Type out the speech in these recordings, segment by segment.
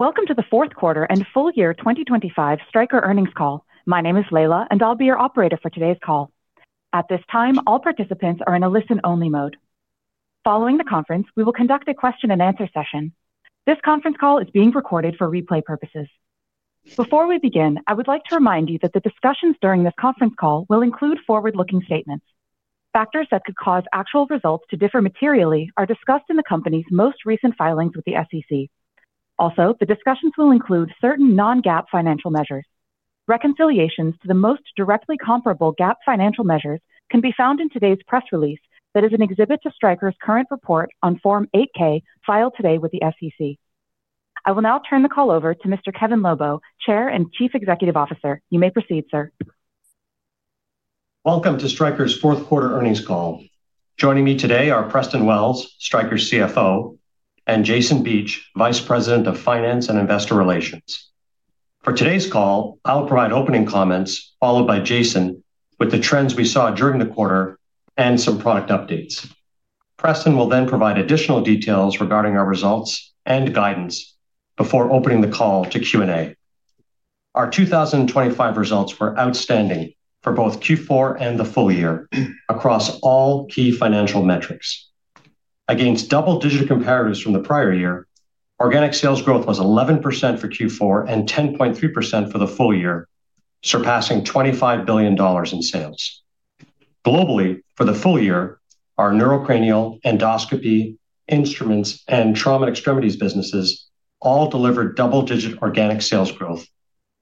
Welcome to the fourth quarter and full year 2025 Stryker Earnings Call. My name is Layla, and I'll be your operator for today's call. At this time, all participants are in a listen-only mode. Following the conference, we will conduct a question-and-answer session. This conference call is being recorded for replay purposes. Before we begin, I would like to remind you that the discussions during this conference call will include forward-looking statements. Factors that could cause actual results to differ materially are discussed in the company's most recent filings with the SEC. Also, the discussions will include certain non-GAAP financial measures. Reconciliations to the most directly comparable GAAP financial measures can be found in today's press release that is an exhibit to Stryker's current report on Form 8-K filed today with the SEC. I will now turn the call over to Mr. Kevin Lobo, Chair and Chief Executive Officer. You may proceed, sir. Welcome to Stryker's fourth quarter earnings call. Joining me today are Preston Wells, Stryker's CFO, and Jason Beach, Vice President of Finance and Investor Relations. For today's call, I'll provide opening comments, followed by Jason with the trends we saw during the quarter and some product updates. Preston will then provide additional details regarding our results and guidance before opening the call to Q&A. Our 2025 results were outstanding for both Q4 and the full year across all key financial metrics. Against double-digit comparisons from the prior year, organic sales growth was 11% for Q4 and 10.3% for the full year, surpassing $25 billion in sales. Globally, for the full year, our Neurocranial, Endoscopy, Instruments, and Trauma and Extremities businesses all delivered double-digit organic sales growth,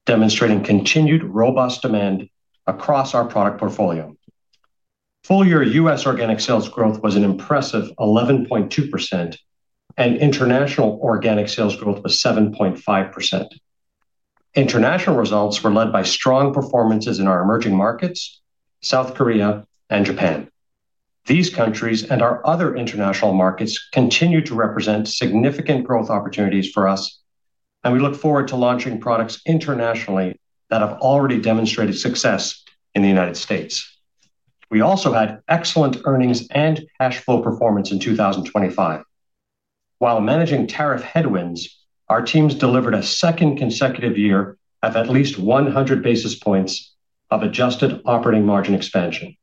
demonstrating continued robust demand across our product portfolio. Full-year U.S. organic sales growth was an impressive 11.2%, and international organic sales growth was 7.5%. International results were led by strong performances in our emerging markets, South Korea, and Japan. These countries and our other international markets continue to represent significant growth opportunities for us, and we look forward to launching products internationally that have already demonstrated success in the United States. We also had excellent earnings and cash flow performance in 2025. While managing tariff headwinds, our teams delivered a second consecutive year of at least 100 basis points of adjusted operating margin expansion.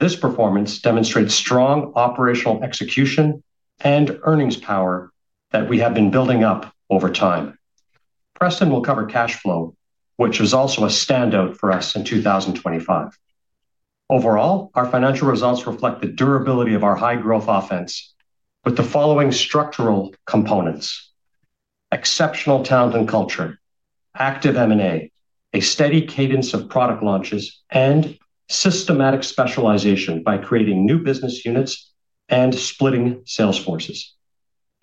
This performance demonstrates strong operational execution and earnings power that we have been building up over time. Preston will cover cash flow, which was also a standout for us in 2025. Overall, our financial results reflect the durability of our high-growth offense with the following structural components: exceptional talent and culture, active M&A, a steady cadence of product launches, and systematic specialization by creating new business units and splitting sales forces.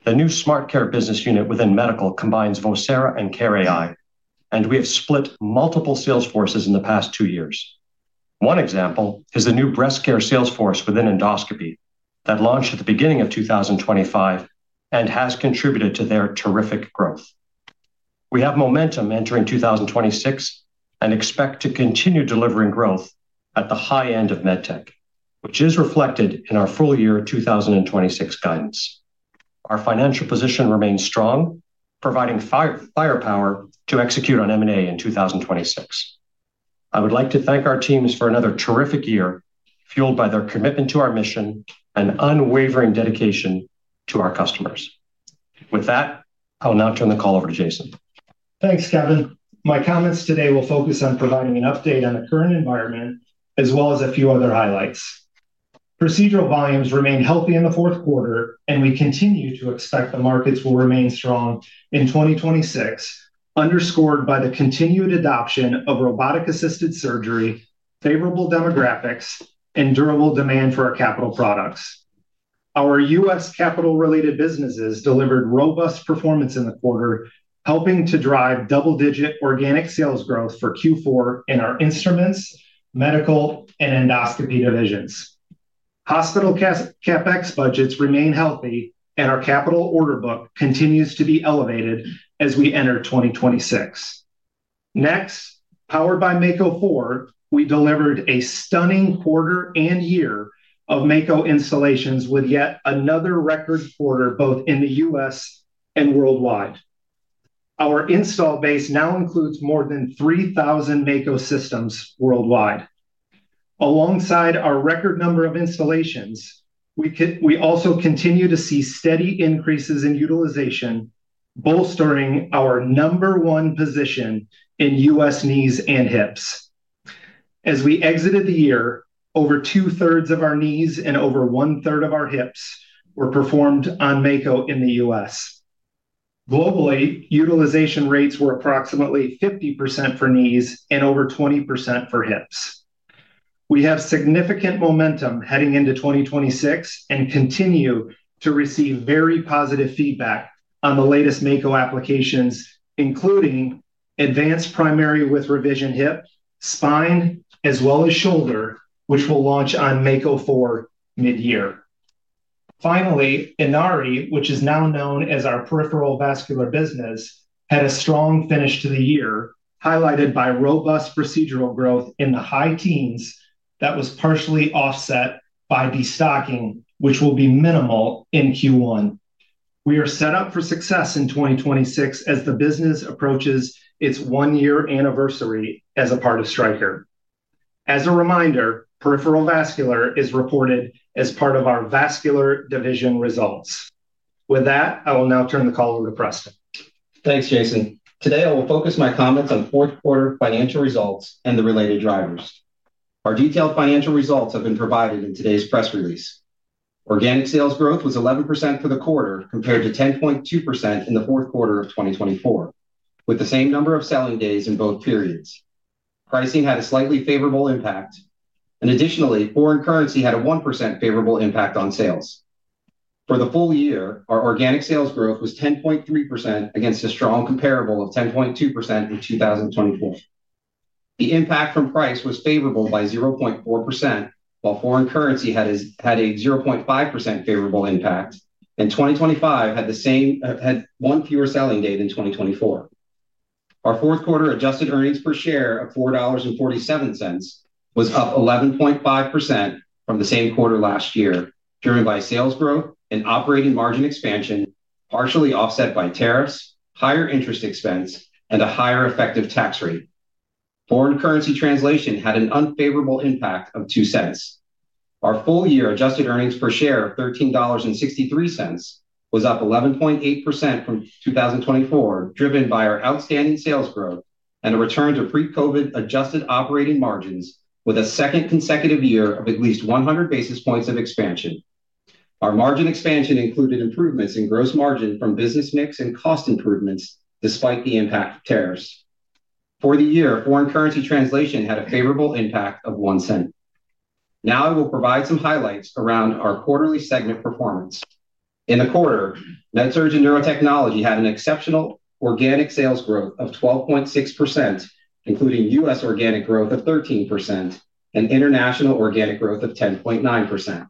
The new SmartCare business unit within medical combines Vocera and care.ai, and we have split multiple sales forces in the past two years. One example is the new Breast Care sales force within Endoscopy that launched at the beginning of 2025 and has contributed to their terrific growth. We have momentum entering 2026 and expect to continue delivering growth at the high end of MedTech, which is reflected in our full-year 2026 guidance. Our financial position remains strong, providing firepower to execute on M&A in 2026. I would like to thank our teams for another terrific year fueled by their commitment to our mission and unwavering dedication to our customers. With that, I'll now turn the call over to Jason. Thanks, Kevin. My comments today will focus on providing an update on the current environment as well as a few other highlights. Procedural volumes remain healthy in the fourth quarter, and we continue to expect the markets will remain strong in 2026, underscored by the continued adoption of robotic-assisted surgery, favorable demographics, and durable demand for our capital products. Our U.S. capital-related businesses delivered robust performance in the quarter, helping to drive double-digit organic sales growth for Q4 in our Instruments, medical, and Endoscopy divisions. Hospital CapEx budgets remain healthy, and our capital order book continues to be elevated as we enter 2026. Next, powered by Mako 4, we delivered a stunning quarter and year of Mako installations with yet another record quarter both in the U.S. and worldwide. Our install base now includes more than 3,000 Mako systems worldwide. Alongside our record number of installations, we also continue to see steady increases in utilization, bolstering our number-one position in U.S. knees and hips. As we exited the year, over 2/3 of our knees and over 1/3 of our hips were performed on Mako in the U.S. Globally, utilization rates were approximately 50% for knees and over 20% for hips. We have significant momentum heading into 2026 and continue to receive very positive feedback on the latest Mako applications, including advanced primary with revision hip, spine, as well as shoulder, which will launch on Mako 4 mid-year. Finally, Inari, which is now known as our peripheral vascular business, had a strong finish to the year, highlighted by robust procedural growth in the high teens that was partially offset by the stocking, which will be minimal in Q1. We are set up for success in 2026 as the business approaches its one-year anniversary as a part of Stryker. As a reminder, Peripheral Vascular is reported as part of our vascular division results. With that, I will now turn the call over to Preston. Thanks, Jason. Today, I will focus my comments on fourth quarter financial results and the related drivers. Our detailed financial results have been provided in today's press release. Organic sales growth was 11% for the quarter compared to 10.2% in the fourth quarter of 2024, with the same number of selling days in both periods. Pricing had a slightly favorable impact, and additionally, foreign currency had a 1% favorable impact on sales. For the full year, our organic sales growth was 10.3% against a strong comparable of 10.2% in 2024. The impact from price was favorable by 0.4%, while foreign currency had a 0.5% favorable impact and 2025 had one fewer selling day than 2024. Our fourth quarter adjusted earnings per share of $4.47 was up 11.5% from the same quarter last year, driven by sales growth and operating margin expansion, partially offset by tariffs, higher interest expense, and a higher effective tax rate. Foreign currency translation had an unfavorable impact of $0.02. Our full-year adjusted earnings per share of $13.63 was up 11.8% from 2024, driven by our outstanding sales growth and a return to pre-COVID adjusted operating margins with a second consecutive year of at least 100 basis points of expansion. Our margin expansion included improvements in gross margin from business mix and cost improvements despite the impact of tariffs. For the year, foreign currency translation had a favorable impact of $0.01. Now I will provide some highlights around our quarterly segment performance. In the quarter, MedSurg and Neurotechnology had an exceptional organic sales growth of 12.6%, including U.S. Organic growth of 13% and international organic growth of 10.9%.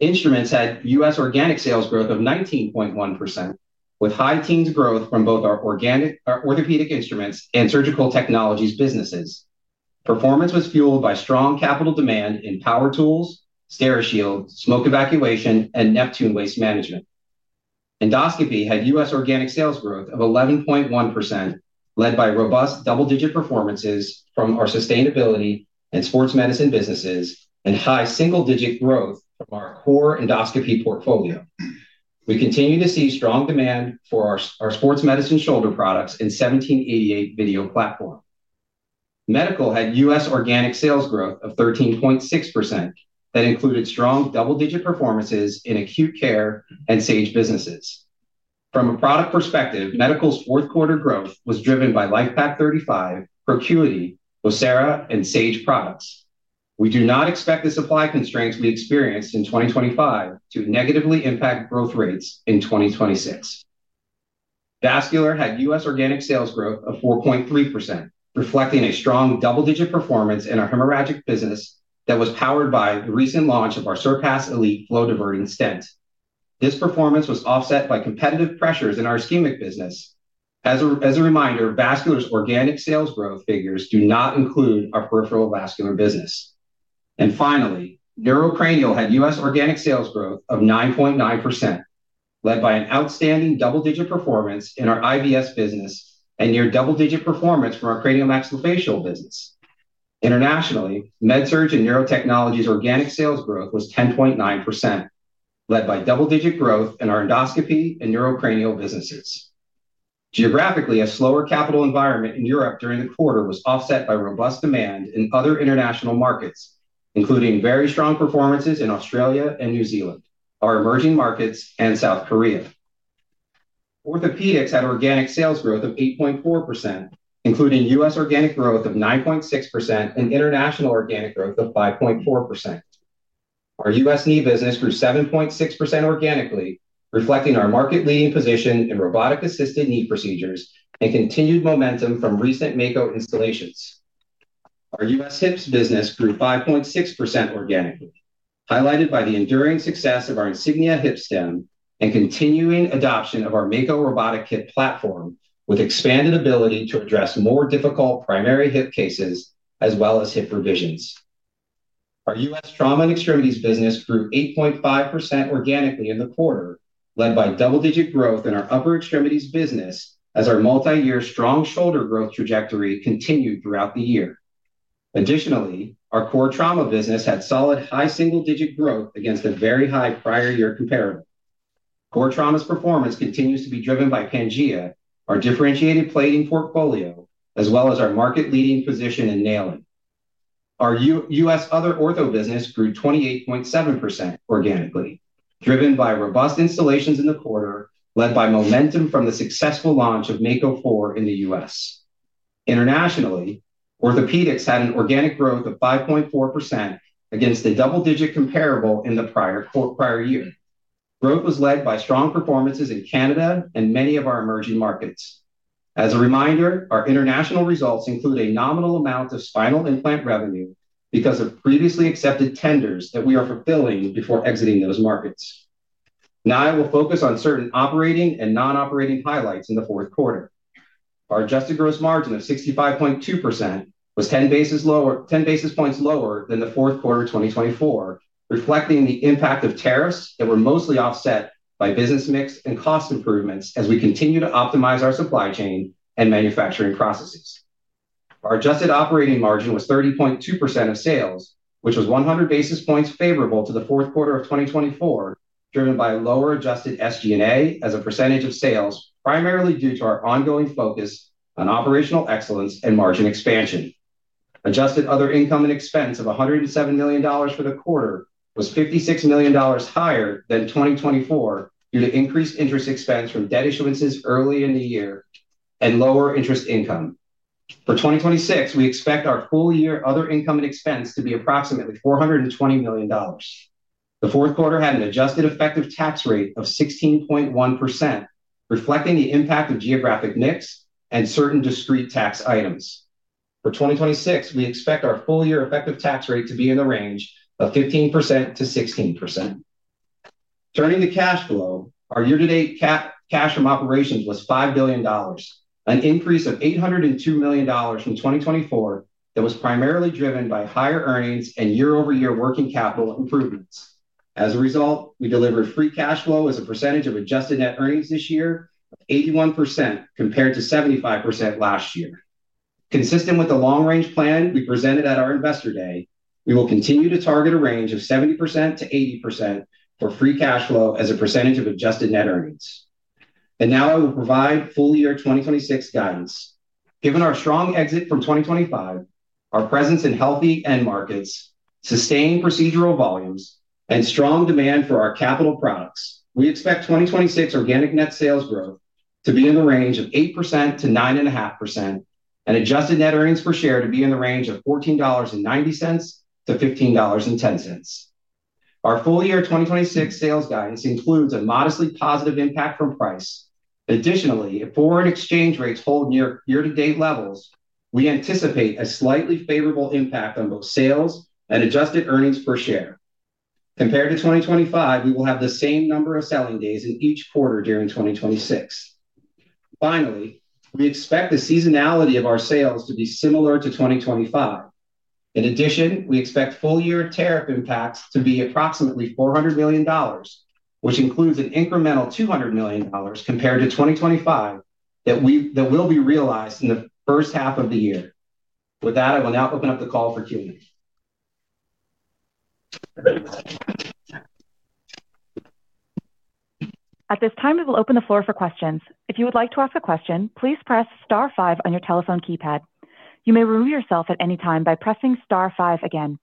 Instruments had U.S. organic sales growth of 19.1%, with high teens growth from both our Orthopaedic Instruments and Surgical Technologies businesses. Performance was fueled by strong capital demand in power tools, Steri-Shield, smoke evacuation, and Neptune waste management. Endoscopy had U.S. organic sales growth of 11.1%, led by robust double-digit performances from our Sustainability and Sports Medicine businesses and high single-digit growth from our core Endoscopy portfolio. We continue to see strong demand for our Sports Medicine shoulder products and 1788 Platform. Medical had U.S. organic sales growth of 13.6% that included strong double-digit performances in Acute Care and Sage businesses. From a product perspective, Medical's fourth quarter growth was driven by LIFEPAK 35, ProCuity, Vocera, and Sage products. We do not expect the supply constraints we experienced in 2025 to negatively impact growth rates in 2026. Vascular had U.S. organic sales growth of 4.3%, reflecting a strong double-digit performance in our hemorrhagic business that was powered by the recent launch of our Surpass Elite flow-diverting stent. This performance was offset by competitive pressures in our ischemic business. As a reminder, Vascular's organic sales growth figures do not include our peripheral vascular business. And finally, Neurocranial had U.S. organic sales growth of 9.9%, led by an outstanding double-digit performance in our IVS business and near double-digit performance from our Craniomaxillofacial business. Internationally, MedSurg and Neurotechnology's organic sales growth was 10.9%, led by double-digit growth in our Endoscopy and Neurocranial businesses. Geographically, a slower capital environment in Europe during the quarter was offset by robust demand in other international markets, including very strong performances in Australia and New Zealand, our emerging markets, and South Korea. Orthopaedics had organic sales growth of 8.4%, including U.S. organic growth of 9.6% and international organic growth of 5.4%. Our U.S. knee business grew 7.6% organically, reflecting our market-leading position in robotic-assisted knee procedures and continued momentum from recent Mako installations. Our U.S. hips business grew 5.6% organically, highlighted by the enduring success of our Insignia hip stem and continuing adoption of our Mako robotic hip platform with expanded ability to address more difficult primary hip cases as well as hip revisions. Our U.S. Trauma and Extremities business grew 8.5% organically in the quarter, led by double-digit growth in our upper extremities business as our multi-year strong shoulder growth trajectory continued throughout the year. Additionally, our core trauma business had solid high single-digit growth against a very high prior year comparable. Core trauma's performance continues to be driven by Pangea, our differentiated plating portfolio, as well as our market-leading position in nailing. Our U.S. Other ortho business grew 28.7% organically, driven by robust installations in the quarter, led by momentum from the successful launch of Mako 4 in the U.S. Internationally, Orthopaedics had an organic growth of 5.4% against a double-digit comparable in the prior prior year. Growth was led by strong performances in Canada and many of our emerging markets. As a reminder, our international results include a nominal amount of spinal implant revenue because of previously accepted tenders that we are fulfilling before exiting those markets. Now I will focus on certain operating and non-operating highlights in the fourth quarter. Our adjusted gross margin of 65.2% was 10 basis points lower than the fourth quarter of 2024, reflecting the impact of tariffs that were mostly offset by business mix and cost improvements as we continue to optimize our supply chain and manufacturing processes. Our adjusted operating margin was 30.2% of sales, which was 100 basis points favorable to the fourth quarter of 2024, driven by lower adjusted SG&A as a percentage of sales, primarily due to our ongoing focus on operational excellence and margin expansion. Adjusted other income and expense of $107 million for the quarter was $56 million higher than 2024 due to increased interest expense from debt issuances early in the year and lower interest income. For 2026, we expect our full-year other income and expense to be approximately $420 million. The fourth quarter had an adjusted effective tax rate of 16.1%, reflecting the impact of geographic mix and certain discrete tax items. For 2026, we expect our full-year effective tax rate to be in the range of 15%-16%. Turning to cash flow, our year-to-date cash from operations was $5 billion, an increase of $802 million from 2024 that was primarily driven by higher earnings and year-over-year working capital improvements. As a result, we delivered free cash flow as a percentage of adjusted net earnings this year of 81% compared to 75% last year. Consistent with the long-range plan we presented at our investor day, we will continue to target a range of 70%-80% for free cash flow as a percentage of adjusted net earnings. Now I will provide full-year 2026 guidance. Given our strong exit from 2025, our presence in healthy end markets, sustained procedural volumes, and strong demand for our capital products, we expect 2026 organic net sales growth to be in the range of 8%-9.5% and adjusted net earnings per share to be in the range of $14.90-$15.10. Our full-year 2026 sales guidance includes a modestly positive impact from price. Additionally, if foreign exchange rates hold near year-to-date levels, we anticipate a slightly favorable impact on both sales and adjusted earnings per share. Compared to 2025, we will have the same number of selling days in each quarter during 2026. Finally, we expect the seasonality of our sales to be similar to 2025. In addition, we expect full-year tariff impacts to be approximately $400 million, which includes an incremental $200 million compared to 2025 that will be realized in the first half of the year. With that, I will now open up the call for Q&A. At this time, we will open the floor for questions. If you would like to ask a question, please press star five on your telephone keypad. You may remove yourself at any time by pressing star five again.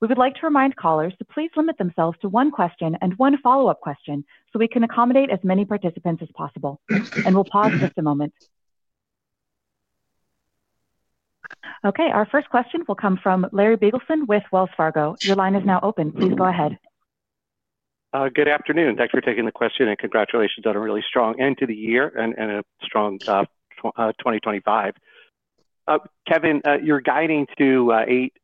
We would like to remind callers to please limit themselves to one question and one follow-up question so we can accommodate as many participants as possible. We'll pause just a moment. Okay, our first question will come from Larry Biegelsen with Wells Fargo. Your line is now open. Please go ahead. Good afternoon. Thanks for taking the question and congratulations on a really strong end to the year and a strong 2025. Kevin, you're guiding to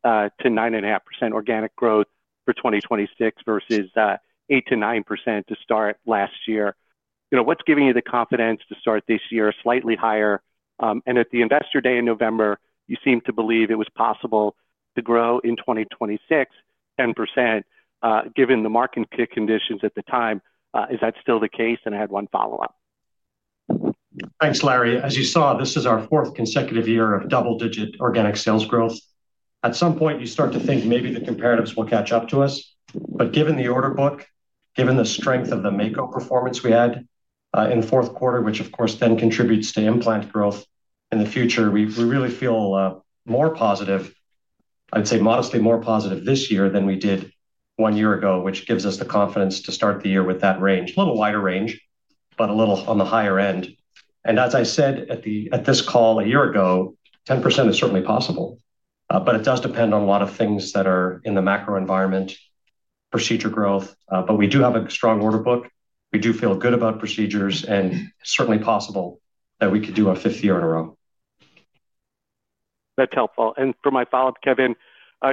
8%-9.5% organic growth for 2026 versus 8%-9% to start last year. What's giving you the confidence to start this year slightly higher? And at the investor day in November, you seemed to believe it was possible to grow in 2026 10% given the market conditions at the time. Is that still the case? I had one follow-up. Thanks, Larry. As you saw, this is our fourth consecutive year of double-digit organic sales growth. At some point, you start to think maybe the comparatives will catch up to us. But given the order book, given the strength of the Mako performance we had in the fourth quarter, which of course then contributes to implant growth in the future, we really feel more positive, I'd say modestly more positive this year than we did one year ago, which gives us the confidence to start the year with that range, a little wider range, but a little on the higher end. And as I said at this call a year ago, 10% is certainly possible, but it does depend on a lot of things that are in the macro environment, procedure growth. But we do have a strong order book. We do feel good about procedures and certainly possible that we could do a fifth year in a row. That's helpful. And for my follow-up, Kevin,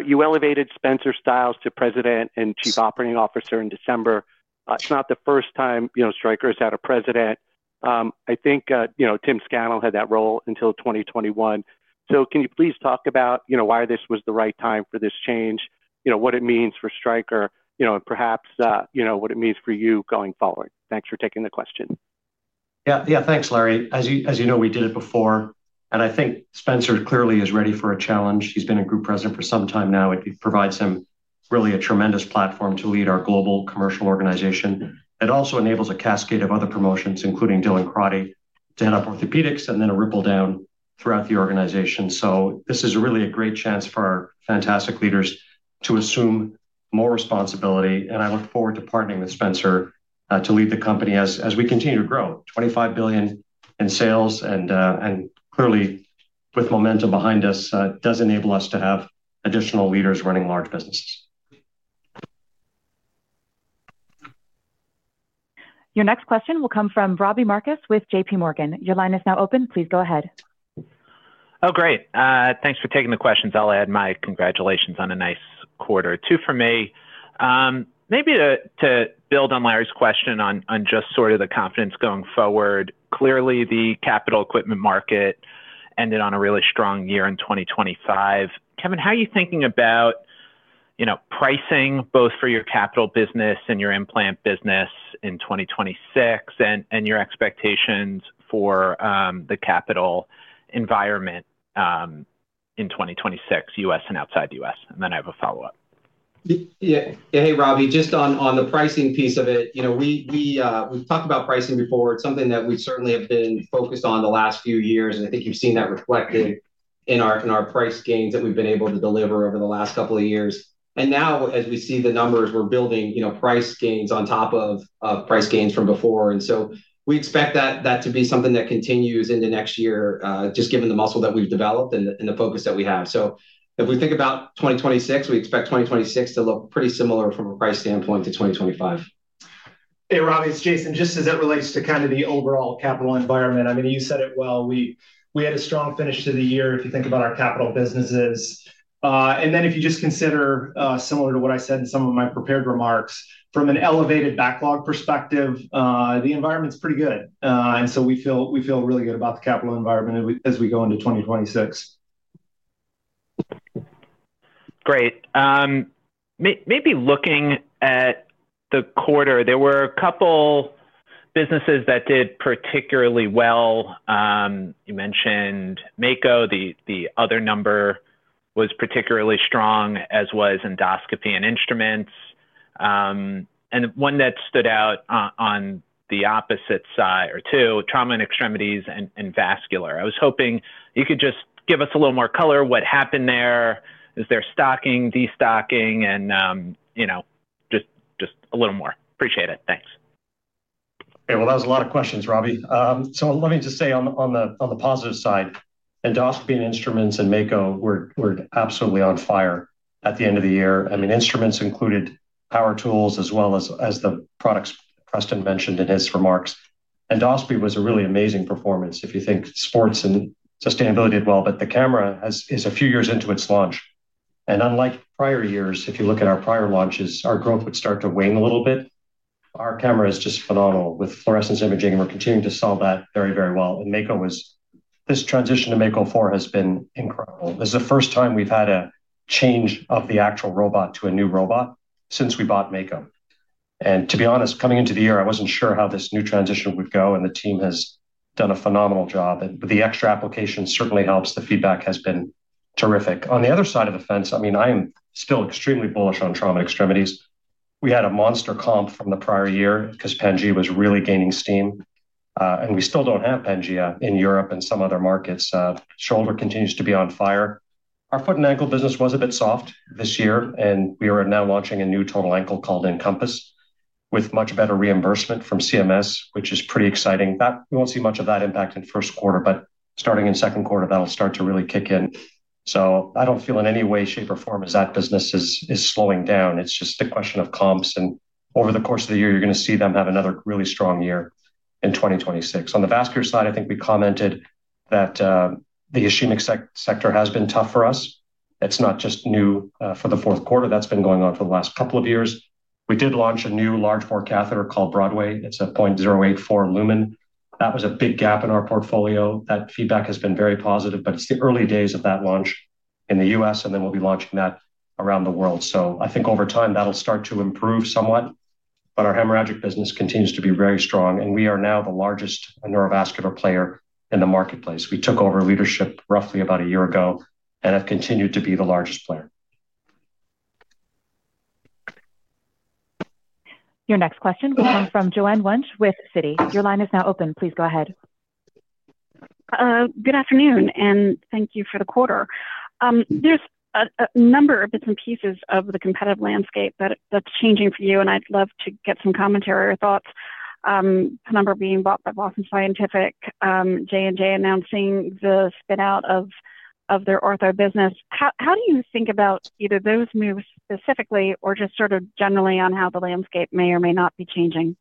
you elevated Spencer Stiles to president and chief operating officer in December. It's not the first time Stryker has had a president. I think Tim Scannell had that role until 2021. So can you please talk about why this was the right time for this change, what it means for Stryker, and perhaps what it means for you going forward? Thanks for taking the question. Yeah, yeah, thanks, Larry. As you know, we did it before. I think Spencer clearly is ready for a challenge. He's been a group president for some time now. It provides him really a tremendous platform to lead our global commercial organization. It also enables a cascade of other promotions, including Dylan Crotty, to head up Orthopaedics and then a ripple down throughout the organization. This is really a great chance for our fantastic leaders to assume more responsibility. I look forward to partnering with Spencer to lead the company as we continue to grow. $25 billion in sales and clearly with momentum behind us does enable us to have additional leaders running large businesses. Your next question will come from Robert Marcus with JPMorgan. Your line is now open. Please go ahead. Oh, great. Thanks for taking the questions. I'll add my congratulations on a nice quarter too for me. Maybe to build on Larry's question on just sort of the confidence going forward, clearly the capital equipment market ended on a really strong year in 2025. Kevin, how are you thinking about pricing both for your capital business and your implant business in 2026 and your expectations for the capital environment in 2026, U.S. and outside the U.S.? And then I have a follow-up. Yeah, hey, Robbie, just on the pricing piece of it, we've talked about pricing before. It's something that we certainly have been focused on the last few years. And I think you've seen that reflected in our price gains that we've been able to deliver over the last couple of years. And now, as we see the numbers, we're building price gains on top of price gains from before. And so we expect that to be something that continues into next year, just given the muscle that we've developed and the focus that we have. So if we think about 2026, we expect 2026 to look pretty similar from a price standpoint to 2025. Hey, Robbie, it's Jason. Just as it relates to kind of the overall capital environment, I mean, you said it well. We had a strong finish to the year if you think about our capital businesses. And then if you just consider similar to what I said in some of my prepared remarks, from an elevated backlog perspective, the environment's pretty good. And so we feel really good about the capital environment as we go into 2026. Great. Maybe looking at the quarter, there were a couple businesses that did particularly well. You mentioned Mako. The other number was particularly strong, as was Endoscopy and Instruments. And one that stood out on the opposite side or two, Trauma and Extremities and Vascular. I was hoping you could just give us a little more color, what happened there, is there stocking, destocking, and just a little more? Appreciate it. Thanks. Hey, well, that was a lot of questions, Robbie. So let me just say on the positive side, Endoscopy and Instruments and Mako were absolutely on fire at the end of the year. I mean, instruments included power tools as well as the products Preston mentioned in his remarks. Endoscopy was a really amazing performance if you think sports and Sustainability did well, but the camera is a few years into its launch. And unlike prior years, if you look at our prior launches, our growth would start to wane a little bit. Our camera is just phenomenal with fluorescence imaging, and we're continuing to sell that very, very well. And Mako was this transition to Mako 4 has been incredible. This is the first time we've had a change of the actual robot to a new robot since we bought Mako. To be honest, coming into the year, I wasn't sure how this new transition would go, and the team has done a phenomenal job. The extra application certainly helps. The feedback has been terrific. On the other side of the fence, I mean, I am still extremely bullish on Trauma and Extremities. We had a monster comp from the prior year because Pangea was really gaining steam. And we still don't have Pangea in Europe and some other markets. Shoulder continues to be on fire. Our foot and ankle business was a bit soft this year, and we are now launching a new total ankle called Incompass with much better reimbursement from CMS, which is pretty exciting. We won't see much of that impact in first quarter, but starting in second quarter, that'll start to really kick in. So I don't feel in any way, shape, or form as if that business is slowing down. It's just a question of comps. And over the course of the year, you're going to see them have another really strong year in 2026. On the vascular side, I think we commented that the ischemic sector has been tough for us. It's not just in the fourth quarter. That's been going on for the last couple of years. We did launch a new large bore catheter called Broadway. It's a 0.084 lumen. That was a big gap in our portfolio. That feedback has been very positive, but it's the early days of that launch in the U.S. And then we'll be launching that around the world. So I think over time, that'll start to improve somewhat. But our hemorrhagic business continues to be very strong. We are now the largest neurovascular player in the marketplace. We took over leadership roughly about a year ago and have continued to be the largest player. Your next question will come from Joanne Wuensch with Citi. Your line is now open. Please go ahead. Good afternoon, and thank you for the quarter. There's a number of bits and pieces of the competitive landscape that's changing for you, and I'd love to get some commentary or thoughts. The number being bought by Boston Scientific, J&J announcing the spinout of their ortho business. How do you think about either those moves specifically or just sort of generally on how the landscape may or may not be changing?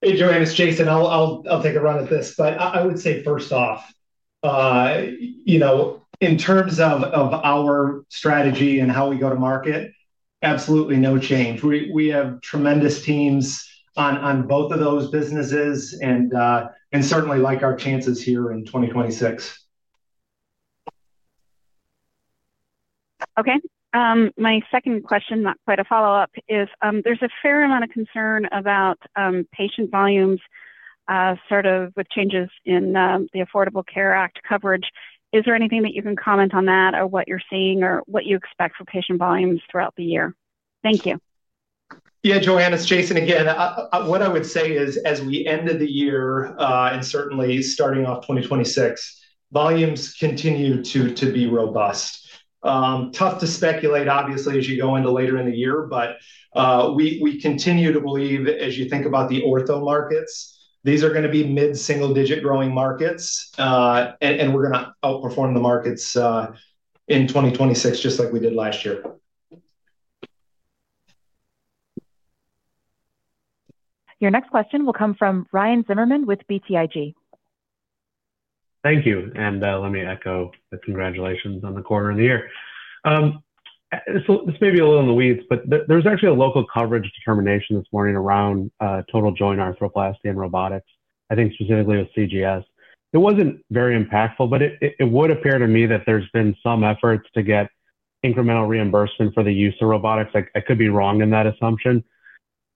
Hey, Joanne, it's Jason. I'll take a run at this, but I would say first off, in terms of our strategy and how we go to market, absolutely no change. We have tremendous teams on both of those businesses and certainly like our chances here in 2026. Okay. My second question, not quite a follow-up, is there's a fair amount of concern about patient volumes sort of with changes in the Affordable Care Act coverage. Is there anything that you can comment on that or what you're seeing or what you expect for patient volumes throughout the year? Thank you. Yeah, Joanne, it's Jason again. What I would say is, as we ended the year and certainly starting off 2026, volumes continue to be robust. Tough to speculate, obviously, as you go into later in the year, but we continue to believe, as you think about the ortho markets, these are going to be mid-single-digit growing markets, and we're going to outperform the markets in 2026 just like we did last year. Your next question will come from Ryan Zimmerman with BTIG. Thank you. Let me echo the congratulations on the quarter of the year. This may be a little in the weeds, but there was actually a local coverage determination this morning around total joint arthroplasty and robotics, I think specifically with CGS. It wasn't very impactful, but it would appear to me that there's been some efforts to get incremental reimbursement for the use of robotics. I could be wrong in that assumption.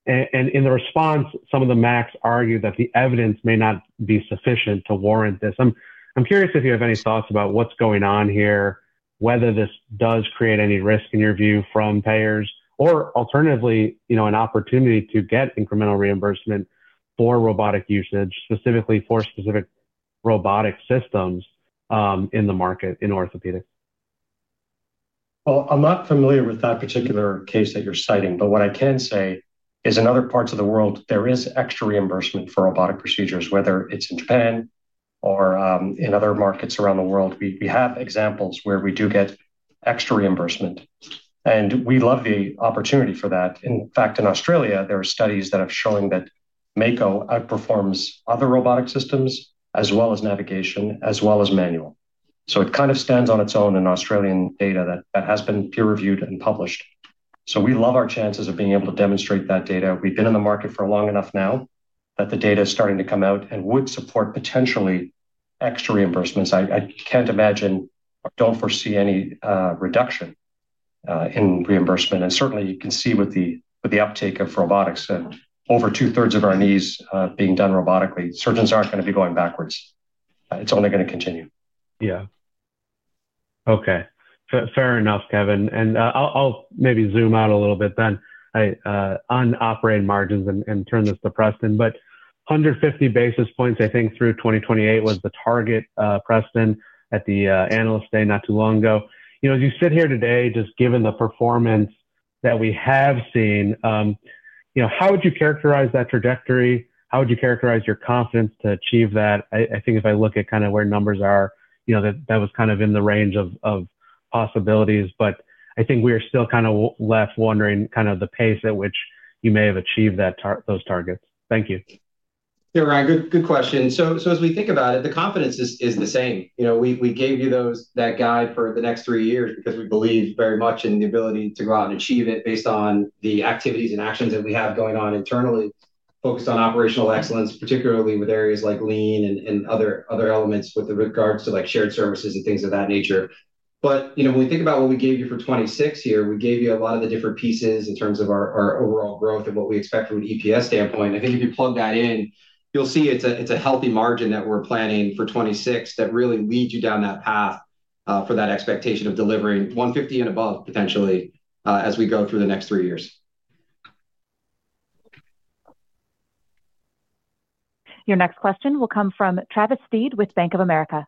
In the response, some of the MACs argued that the evidence may not be sufficient to warrant this. I'm curious if you have any thoughts about what's going on here, whether this does create any risk in your view from payers, or alternatively, an opportunity to get incremental reimbursement for robotic usage, specifically for specific robotic systems in the market in Orthopaedics. Well, I'm not familiar with that particular case that you're citing, but what I can say is in other parts of the world, there is extra reimbursement for robotic procedures, whether it's in Japan or in other markets around the world. We have examples where we do get extra reimbursement. And we love the opportunity for that. In fact, in Australia, there are studies that have shown that Mako outperforms other robotic systems as well as navigation, as well as manual. So it kind of stands on its own in Australian data that has been peer-reviewed and published. So we love our chances of being able to demonstrate that data. We've been in the market for long enough now that the data is starting to come out and would support potentially extra reimbursements. I can't imagine or don't foresee any reduction in reimbursement. Certainly, you can see with the uptake of robotics and over 2/3 of our knees being done robotically, surgeons aren't going to be going backwards. It's only going to continue. Yeah. Okay. Fair enough, Kevin. I'll maybe zoom out a little bit then on operating margins and turn this to Preston. 150 basis points, I think, through 2028 was the target, Preston, at the analyst day not too long ago. As you sit here today, just given the performance that we have seen, how would you characterize that trajectory? How would you characterize your confidence to achieve that? I think if I look at kind of where numbers are, that was kind of in the range of possibilities. I think we are still kind of left wondering kind of the pace at which you may have achieved those targets. Thank you. Yeah, Ron, good question. So as we think about it, the confidence is the same. We gave you that guide for the next three years because we believe very much in the ability to go out and achieve it based on the activities and actions that we have going on internally, focused on operational excellence, particularly with areas like lean and other elements with regards to shared services and things of that nature. But when we think about what we gave you for 2026 here, we gave you a lot of the different pieces in terms of our overall growth and what we expect from an EPS standpoint. I think if you plug that in, you'll see it's a healthy margin that we're planning for 2026 that really leads you down that path for that expectation of delivering 150 and above potentially as we go through the next three years. Your next question will come from Travis Steed with Bank of America.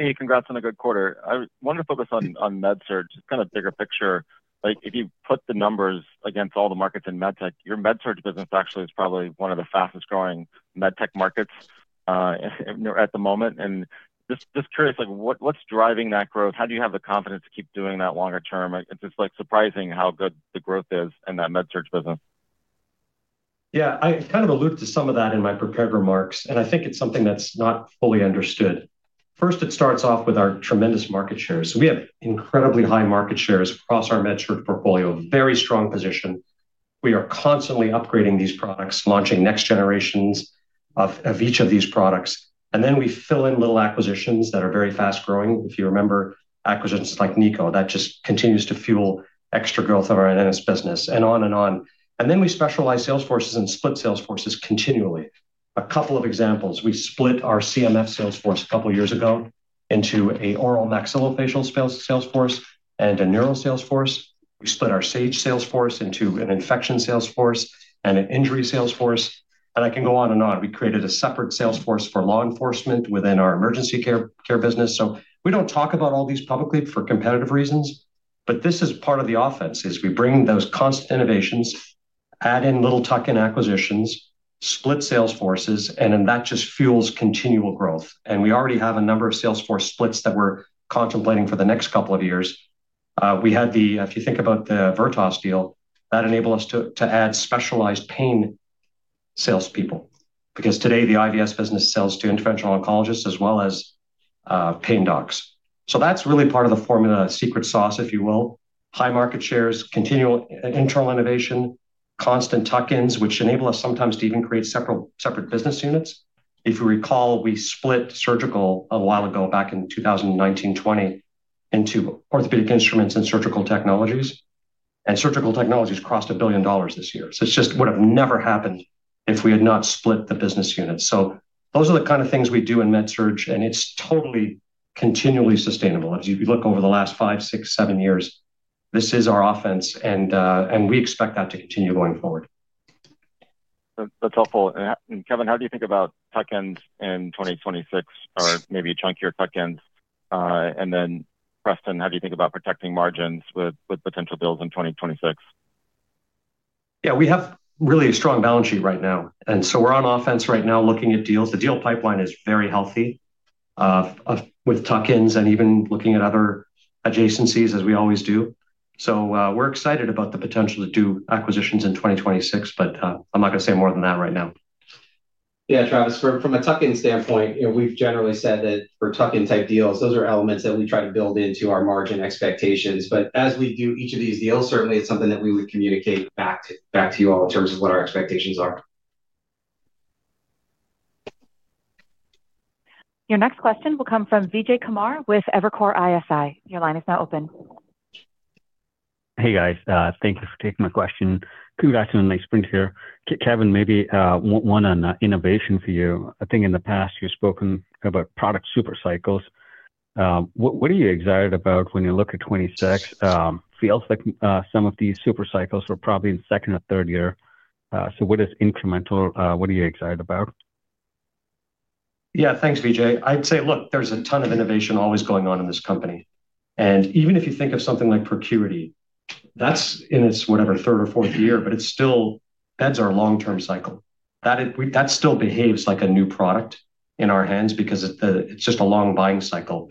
Hey, congrats on a good quarter. I wanted to focus on MedSurg, kind of bigger picture. If you put the numbers against all the markets in med-tech, your MedSurg business actually is probably one of the fastest-growing MedTech markets at the moment. And just curious, what's driving that growth? How do you have the confidence to keep doing that longer term? It's just surprising how good the growth is in that MedSurg business. Yeah, I kind of alluded to some of that in my prepared remarks. And I think it's something that's not fully understood. First, it starts off with our tremendous market shares. So we have incredibly high market shares across our MedSurg portfolio, very strong position. We are constantly upgrading these products, launching next generations of each of these products. And then we fill in little acquisitions that are very fast-growing. If you remember acquisitions like NICO, that just continues to fuel extra growth of our NS business and on and on. And then we specialize sales forces and split sales forces continually. A couple of examples. We split our CMF sales force a couple of years ago into an oral maxillofacial sales force and a neuro sales force. We split our Sage sales force into an infection sales force and an injury sales force. And I can go on and on. We created a separate sales force for law enforcement within our emergency care business. So we don't talk about all these publicly for competitive reasons, but this is part of the offense: we bring those constant innovations, add in little tuck-in acquisitions, split sales forces, and then that just fuels continual growth. And we already have a number of sales force splits that we're contemplating for the next couple of years. We had the, if you think about the Vertos deal, that enabled us to add specialized pain salespeople because today the IVS business sells to interventional oncologists as well as pain docs. So that's really part of the formula, secret sauce, if you will. High market shares, continual internal innovation, constant tuck-ins, which enable us sometimes to even create separate business units. If you recall, we split surgical a while ago back in 2019, 2020 into Orthopaedic Instruments and Surgical Technologies. Surgical Technologies crossed $1 billion this year. It just would have never happened if we had not split the business units. Those are the kind of things we do in MedSurg, and it's totally continually sustainable. As you look over the last 5, 6, 7 years, this is our offense, and we expect that to continue going forward. That's helpful. And Kevin, how do you think about tuck-ins in 2026 or maybe a chunkier tuck-ins? And then Preston, how do you think about protecting margins with potential deals in 2026? Yeah, we have really a strong balance sheet right now. And so we're on offense right now looking at deals. The deal pipeline is very healthy with tuck-ins and even looking at other adjacencies as we always do. So we're excited about the potential to do acquisitions in 2026, but I'm not going to say more than that right now. Yeah, Travis, from a tuck-in standpoint, we've generally said that for tuck-in type deals, those are elements that we try to build into our margin expectations. As we do each of these deals, certainly it's something that we would communicate back to you all in terms of what our expectations are. Your next question will come from Vijay Kumar with Evercore ISI. Your line is now open. Hey, guys. Thank you for taking my question. Congrats on a nice sprint here. Kevin, maybe one on innovation for you. I think in the past, you've spoken about product supercycles. What are you excited about when you look at 2026? It feels like some of these supercycles were probably in second or third year. So what is incremental? What are you excited about? Yeah, thanks, Vijay. I'd say, look, there's a ton of innovation always going on in this company. And even if you think of something like ProCuity, that's in its whatever, third or fourth year, but it still beds our long-term cycle. That still behaves like a new product in our hands because it's just a long buying cycle.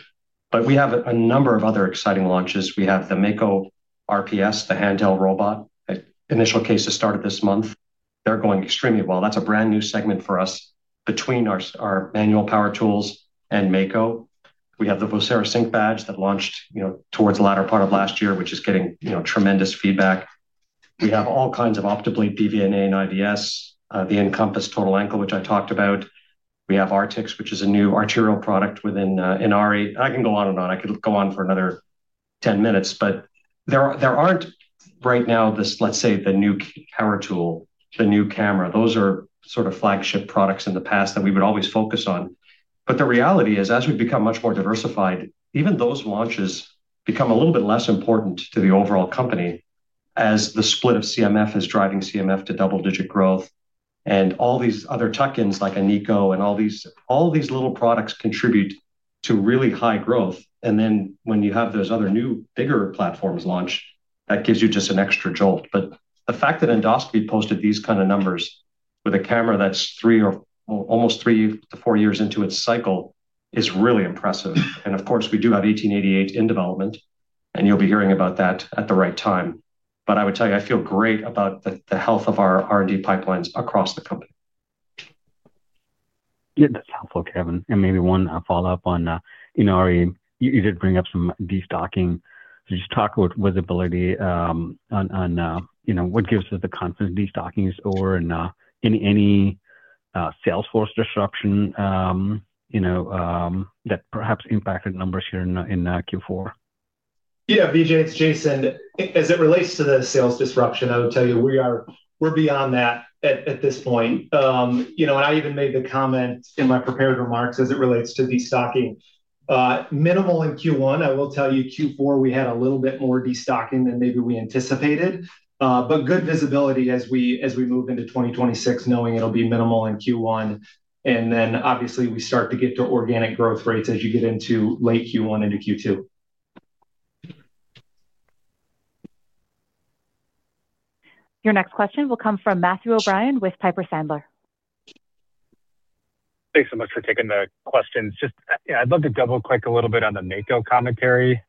But we have a number of other exciting launches. We have the Mako RPS, the handheld robot. Initial cases started this month. They're going extremely well. That's a brand new segment for us between our manual power tools and Mako. We have the Vocera Sync Badge that launched towards the latter part of last year, which is getting tremendous feedback. We have all kinds of OptaBlate BVN and IVS, the Incompass Total Ankle, which I talked about. We have Artix, which is a new arterial product within Inari. I can go on and on. I could go on for another 10 minutes, but there aren't right now. This, let's say, the new power tool, the new camera. Those are sort of flagship products in the past that we would always focus on. But the reality is, as we become much more diversified, even those launches become a little bit less important to the overall company as the split of CMF is driving CMF to double-digit growth. And all these other tuck-ins like a NICO and all these little products contribute to really high growth. And then when you have those other new bigger platforms launched, that gives you just an extra jolt. But the fact that Endoscopy posted these kind of numbers with a camera that's almost three-four years into its cycle is really impressive. Of course, we do have 1788 in development, and you'll be hearing about that at the right time. But I would tell you, I feel great about the health of our R&D pipelines across the company. Yeah, that's helpful, Kevin. Maybe one follow-up on Inari. You did bring up some destocking. Just talk about visibility on what gives us the confidence, destocking, or any sales force disruption that perhaps impacted numbers here in Q4. Yeah, Vijay, it's Jason. As it relates to the sales disruption, I would tell you we're beyond that at this point. I even made the comment in my prepared remarks as it relates to destocking. Minimal in Q1. I will tell you, Q4, we had a little bit more destocking than maybe we anticipated. But good visibility as we move into 2026, knowing it'll be minimal in Q1. Then obviously, we start to get to organic growth rates as you get into late Q1 into Q2. Your next question will come from Matthew O'Brien with Piper Sandler. Thanks so much for taking the questions. I'd love to double-click a little bit on the Mako commentary,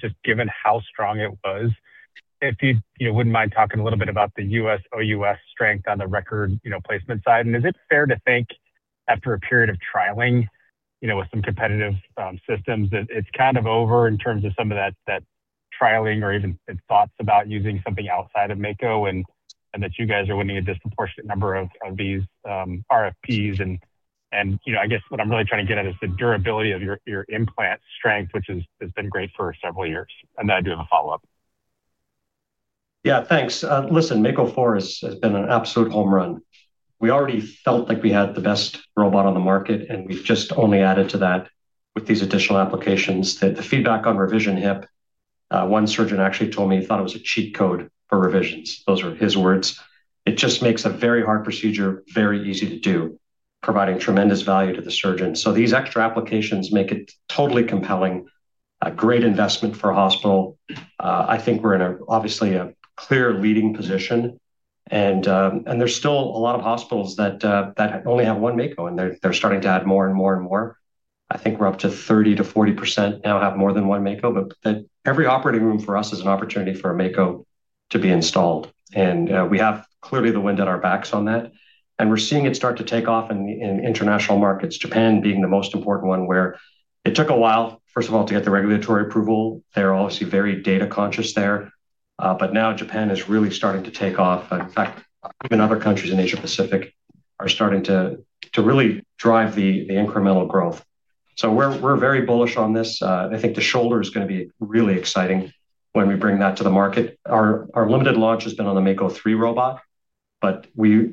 just given how strong it was. If you wouldn't mind talking a little bit about the U.S./OUS strength on the record placement side. And is it fair to think after a period of trialing with some competitive systems that it's kind of over in terms of some of that trialing or even thoughts about using something outside of Mako and that you guys are winning a disproportionate number of these RFPs? And I guess what I'm really trying to get at is the durability of your implant strength, which has been great for several years. And then I do have a follow-up. Yeah, thanks. Listen, Mako 4 has been an absolute home run. We already felt like we had the best robot on the market, and we've just only added to that with these additional applications. The feedback on revision hip, one surgeon actually told me he thought it was a cheat code for revisions. Those were his words. It just makes a very hard procedure very easy to do, providing tremendous value to the surgeon. So these extra applications make it totally compelling, a great investment for a hospital. I think we're in obviously a clear leading position. And there's still a lot of hospitals that only have one Mako, and they're starting to add more and more and more. I think we're up to 30%-40% now have more than one Mako, but every operating room for us is an opportunity for a Mako to be installed. We have clearly the wind at our backs on that. We're seeing it start to take off in international markets, Japan being the most important one where it took a while, first of all, to get the regulatory approval. They're obviously very data conscious there. But now Japan is really starting to take off. In fact, even other countries in Asia-Pacific are starting to really drive the incremental growth. We're very bullish on this. I think the shoulder is going to be really exciting when we bring that to the market. Our limited launch has been on the Mako 3 robot, but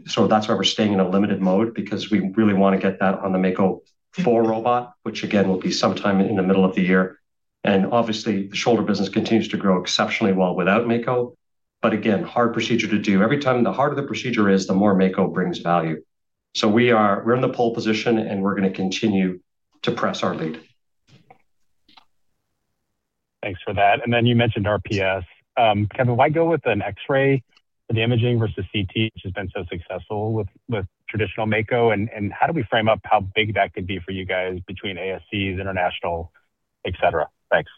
so that's why we're staying in a limited mode because we really want to get that on the Mako 4 robot, which again will be sometime in the middle of the year. Obviously, the shoulder business continues to grow exceptionally well without Mako. Again, hard procedure to do. Every time the harder the procedure is, the more Mako brings value. We're in the pole position, and we're going to continue to press our lead. Thanks for that. And then you mentioned RPS. Kevin, why go with an X-ray for the imaging versus CT, which has been so successful with traditional Mako? And how do we frame up how big that could be for you guys between ASCs, international, etc.? Thanks.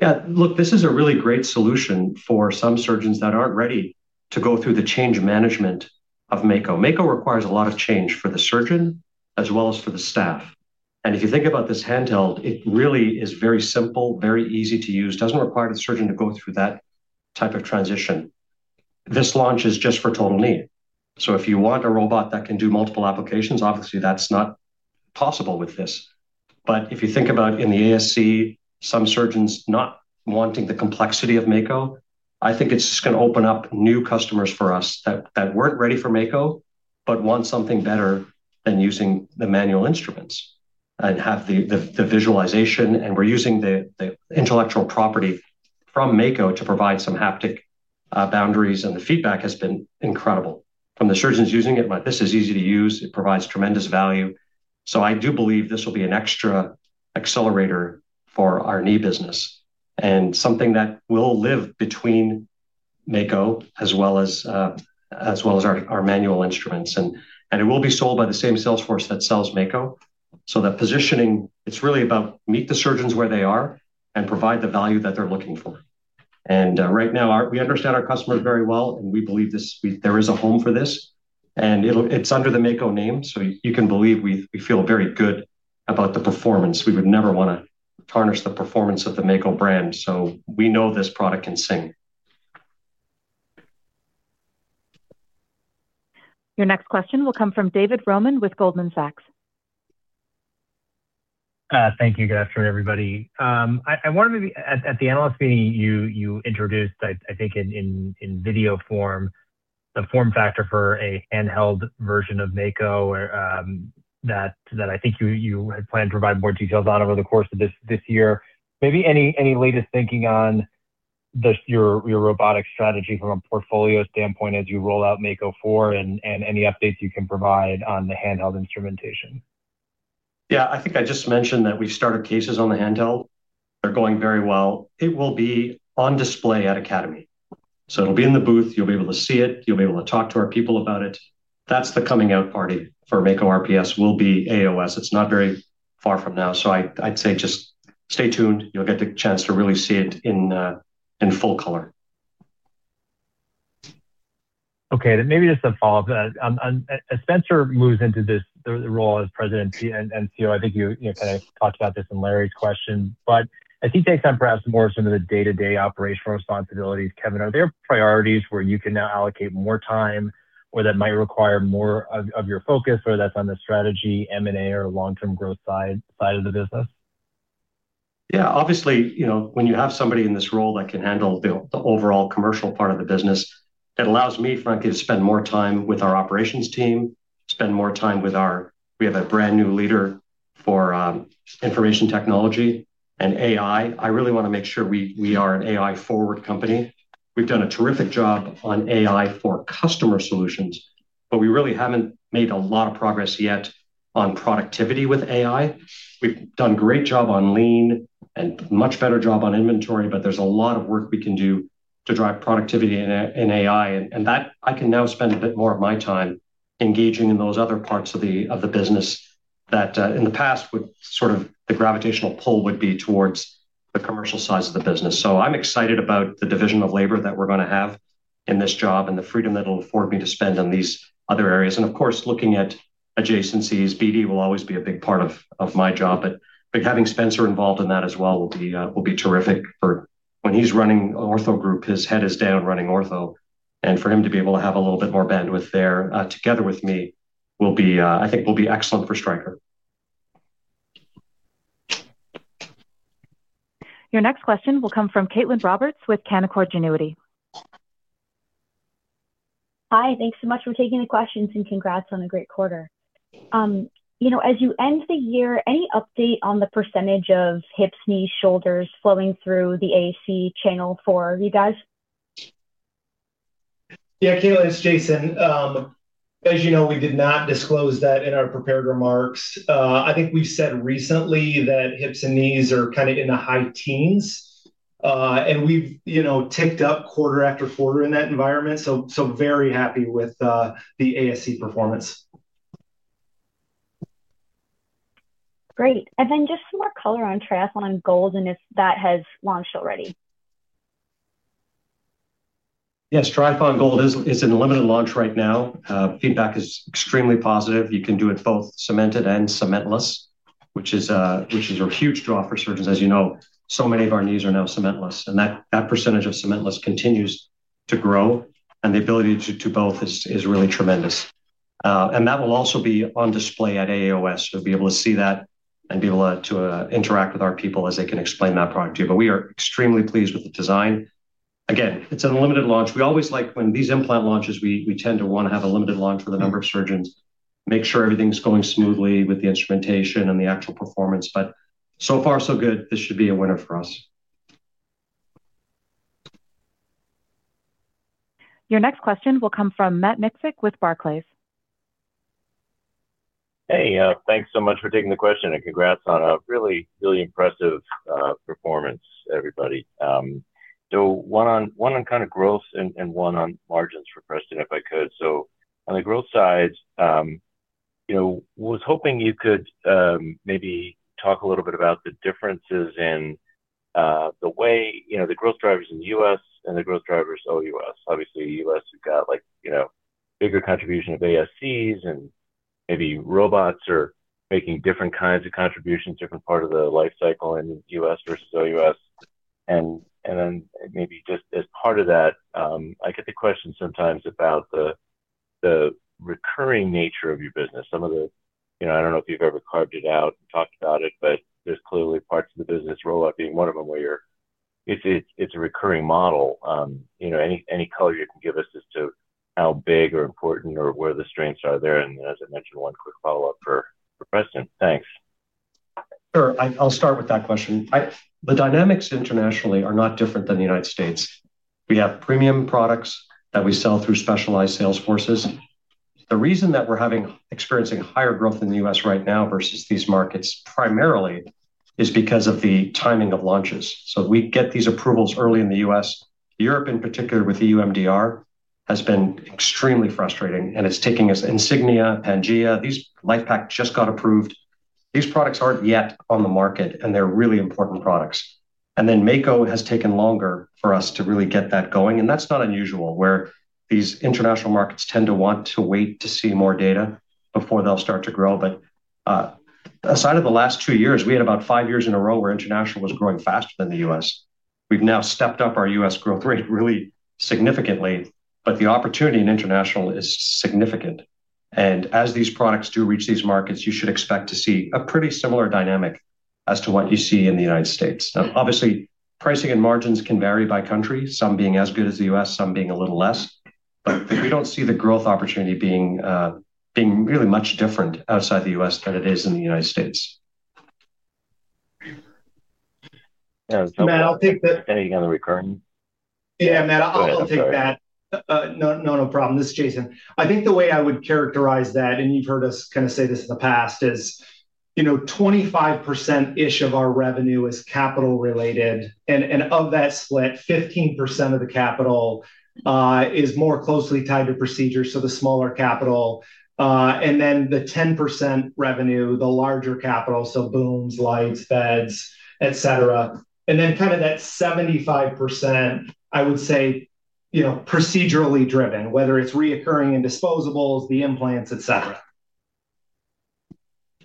Yeah, look, this is a really great solution for some surgeons that aren't ready to go through the change management of Mako. Mako requires a lot of change for the surgeon as well as for the staff. And if you think about this handheld, it really is very simple, very easy to use, doesn't require the surgeon to go through that type of transition. This launch is just for total knee. So if you want a robot that can do multiple applications, obviously, that's not possible with this. But if you think about in the ASC, some surgeons not wanting the complexity of Mako, I think it's just going to open up new customers for us that weren't ready for Mako, but want something better than using the manual Instruments and have the visualization. We're using the intellectual property from Mako to provide some haptic boundaries, and the feedback has been incredible. From the surgeons using it, this is easy to use. It provides tremendous value. I do believe this will be an extra accelerator for our knee business and something that will live between Mako as well as our manual Instruments. It will be sold by the same sales force that sells Mako. That positioning, it's really about meet the surgeons where they are and provide the value that they're looking for. Right now, we understand our customers very well, and we believe there is a home for this. It's under the Mako name, so you can believe we feel very good about the performance. We would never want to tarnish the performance of the Mako brand. We know this product can sing. Your next question will come from David Roman with Goldman Sachs. Thank you. Good afternoon, everybody. I wanted to maybe at the analyst meeting, you introduced, I think in video form, the form factor for a handheld version of Mako that I think you had planned to provide more details on over the course of this year. Maybe any latest thinking on your robotic strategy from a portfolio standpoint as you roll out Mako 4 and any updates you can provide on the handheld instrumentation? Yeah, I think I just mentioned that we've started cases on the handheld. They're going very well. It will be on display at Academy. So it'll be in the booth. You'll be able to see it. You'll be able to talk to our people about it. That's the coming out party for Mako RPS will be AAOS. It's not very far from now. So I'd say just stay tuned. You'll get the chance to really see it in full color. Okay. Maybe just a follow-up. As Spencer moves into the role as president and CEO, I think you kind of talked about this in Larry's question. But as he takes on perhaps more of some of the day-to-day operational responsibilities, Kevin, are there priorities where you can now allocate more time or that might require more of your focus, whether that's on the strategy, M&A, or long-term growth side of the business? Yeah. Obviously, when you have somebody in this role that can handle the overall commercial part of the business, it allows me, frankly, to spend more time with our operations team, spend more time with our, we have a brand new leader for information technology and AI. I really want to make sure we are an AI-forward company. We've done a terrific job on AI for customer solutions, but we really haven't made a lot of progress yet on productivity with AI. We've done a great job on lean and a much better job on inventory, but there's a lot of work we can do to drive productivity in AI. And I can now spend a bit more of my time engaging in those other parts of the business that in the past would sort of the gravitational pull would be towards the commercial size of the business. So I'm excited about the division of labor that we're going to have in this job and the freedom that it'll afford me to spend on these other areas. Of course, looking at adjacencies, BD will always be a big part of my job. But having Spencer involved in that as well will be terrific for when he's running Ortho Group, his head is down running ortho. For him to be able to have a little bit more bandwidth there together with me, I think will be excellent for Stryker. Your next question will come from Caitlin Roberts with Canaccord Genuity. Hi. Thanks so much for taking the questions and congrats on a great quarter. As you end the year, any update on the percentage of hips, knees, shoulders flowing through the ASC channel for you guys? Yeah, Caitlin, it's Jason. As you know, we did not disclose that in our prepared remarks. I think we've said recently that hips and knees are kind of in the high teens, and we've ticked up quarter after quarter in that environment. So very happy with the ASC performance. Great. And then just some more color on Triathlon Gold and if that has launched already? Yes, Triathlon Gold is in limited launch right now. Feedback is extremely positive. You can do it both cemented and cementless, which is a huge draw for surgeons. As you know, so many of our knees are now cementless. That percentage of cementless continues to grow. The ability to do both is really tremendous. That will also be on display at AAOS. You'll be able to see that and be able to interact with our people as they can explain that product to you. But we are extremely pleased with the design. Again, it's a limited launch. We always like when these implant launches; we tend to want to have a limited launch for the number of surgeons, make sure everything's going smoothly with the instrumentation and the actual performance. But so far, so good. This should be a winner for us. Your next question will come from Matt Miksic with Barclays. Hey, thanks so much for taking the question and congrats on a really, really impressive performance, everybody. So one on kind of growth and one on margins for Preston, if I could. So on the growth side, I was hoping you could maybe talk a little bit about the differences in the way the growth drivers in the U.S. and the growth drivers OUS. Obviously, U.S., you've got a bigger contribution of ASCs and maybe robots are making different kinds of contributions, different part of the life cycle in U.S. versus OUS. And then maybe just as part of that, I get the question sometimes about the recurring nature of your business. Some of the, I don't know if you've ever carved it out and talked about it, but there's clearly parts of the business rollout being one of them where it's a recurring model. Any color you can give us as to how big or important or where the strengths are there. As I mentioned, one quick follow-up for Preston. Thanks. Sure. I'll start with that question. The dynamics internationally are not different than the United States. We have premium products that we sell through specialized sales forces. The reason that we're experiencing higher growth in the U.S. right now versus these markets primarily is because of the timing of launches. So we get these approvals early in the U.S.. Europe, in particular, with EU MDR has been extremely frustrating, and it's taking us Insignia, Pangea. These LIFEPAK just got approved. These products aren't yet on the market, and they're really important products. And then Mako has taken longer for us to really get that going. And that's not unusual where these international markets tend to want to wait to see more data before they'll start to grow. But aside of the last two years, we had about five years in a row where international was growing faster than the U.S.. We've now stepped up our U.S. growth rate really significantly, but the opportunity in international is significant. And as these products do reach these markets, you should expect to see a pretty similar dynamic as to what you see in the United States. Now, obviously, pricing and margins can vary by country, some being as good as the U.S., some being a little less. But we don't see the growth opportunity being really much different outside the U.S. than it is in the United States. Matt, I'll take that. Can you get the recurring? Yeah, Matt, I'll take that. No, no problem. This is Jason. I think the way I would characterize that, and you've heard us kind of say this in the past, is 25%-ish of our revenue is capital-related. And of that split, 15% of the capital is more closely tied to procedure, so the smaller capital. And then the 10% revenue, the larger capital, so booms, lights, beds, etc. And then kind of that 75%, I would say, procedurally driven, whether it's recurring and disposables, the implants, etc.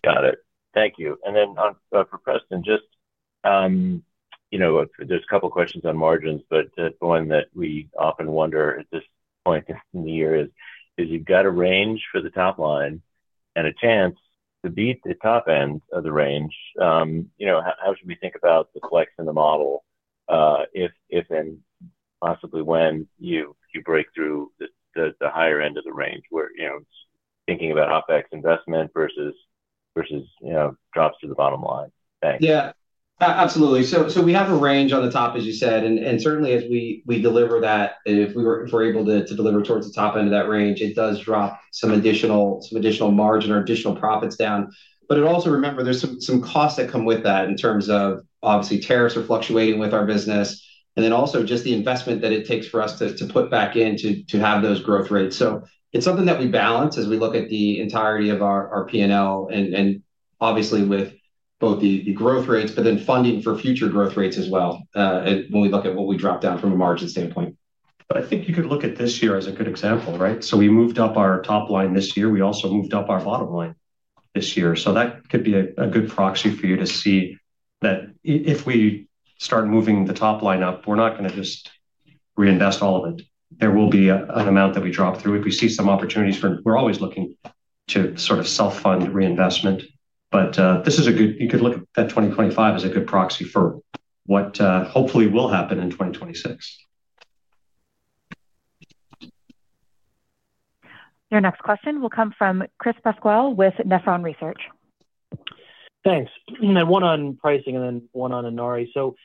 Got it. Thank you. And then for Preston, just there's a couple of questions on margins, but the one that we often wonder at this point in the year is, if you've got a range for the top line and a chance to beat the top end of the range, how should we think about the flex in the model if and possibly when you break through the higher end of the range? Thinking about OpEx investment versus drops to the bottom line. Thanks. Yeah, absolutely. So we have a range on the top, as you said. And certainly, as we deliver that, if we're able to deliver towards the top end of that range, it does drop some additional margin or additional profits down. But also remember, there's some costs that come with that in terms of obviously tariffs are fluctuating with our business, and then also just the investment that it takes for us to put back in to have those growth rates. So it's something that we balance as we look at the entirety of our P&L and obviously with both the growth rates, but then funding for future growth rates as well when we look at what we drop down from a margin standpoint. But I think you could look at this year as a good example, right? So we moved up our top line this year. We also moved up our bottom line this year. So that could be a good proxy for you to see that if we start moving the top line up, we're not going to just reinvest all of it. There will be an amount that we drop through. If we see some opportunities, we're always looking to sort of self-fund reinvestment. But this is a good—you could look at 2025 as a good proxy for what hopefully will happen in 2026. Your next question will come from Chris Pasquale with Nephron Research. Thanks. Then one on pricing and then one on Inari. So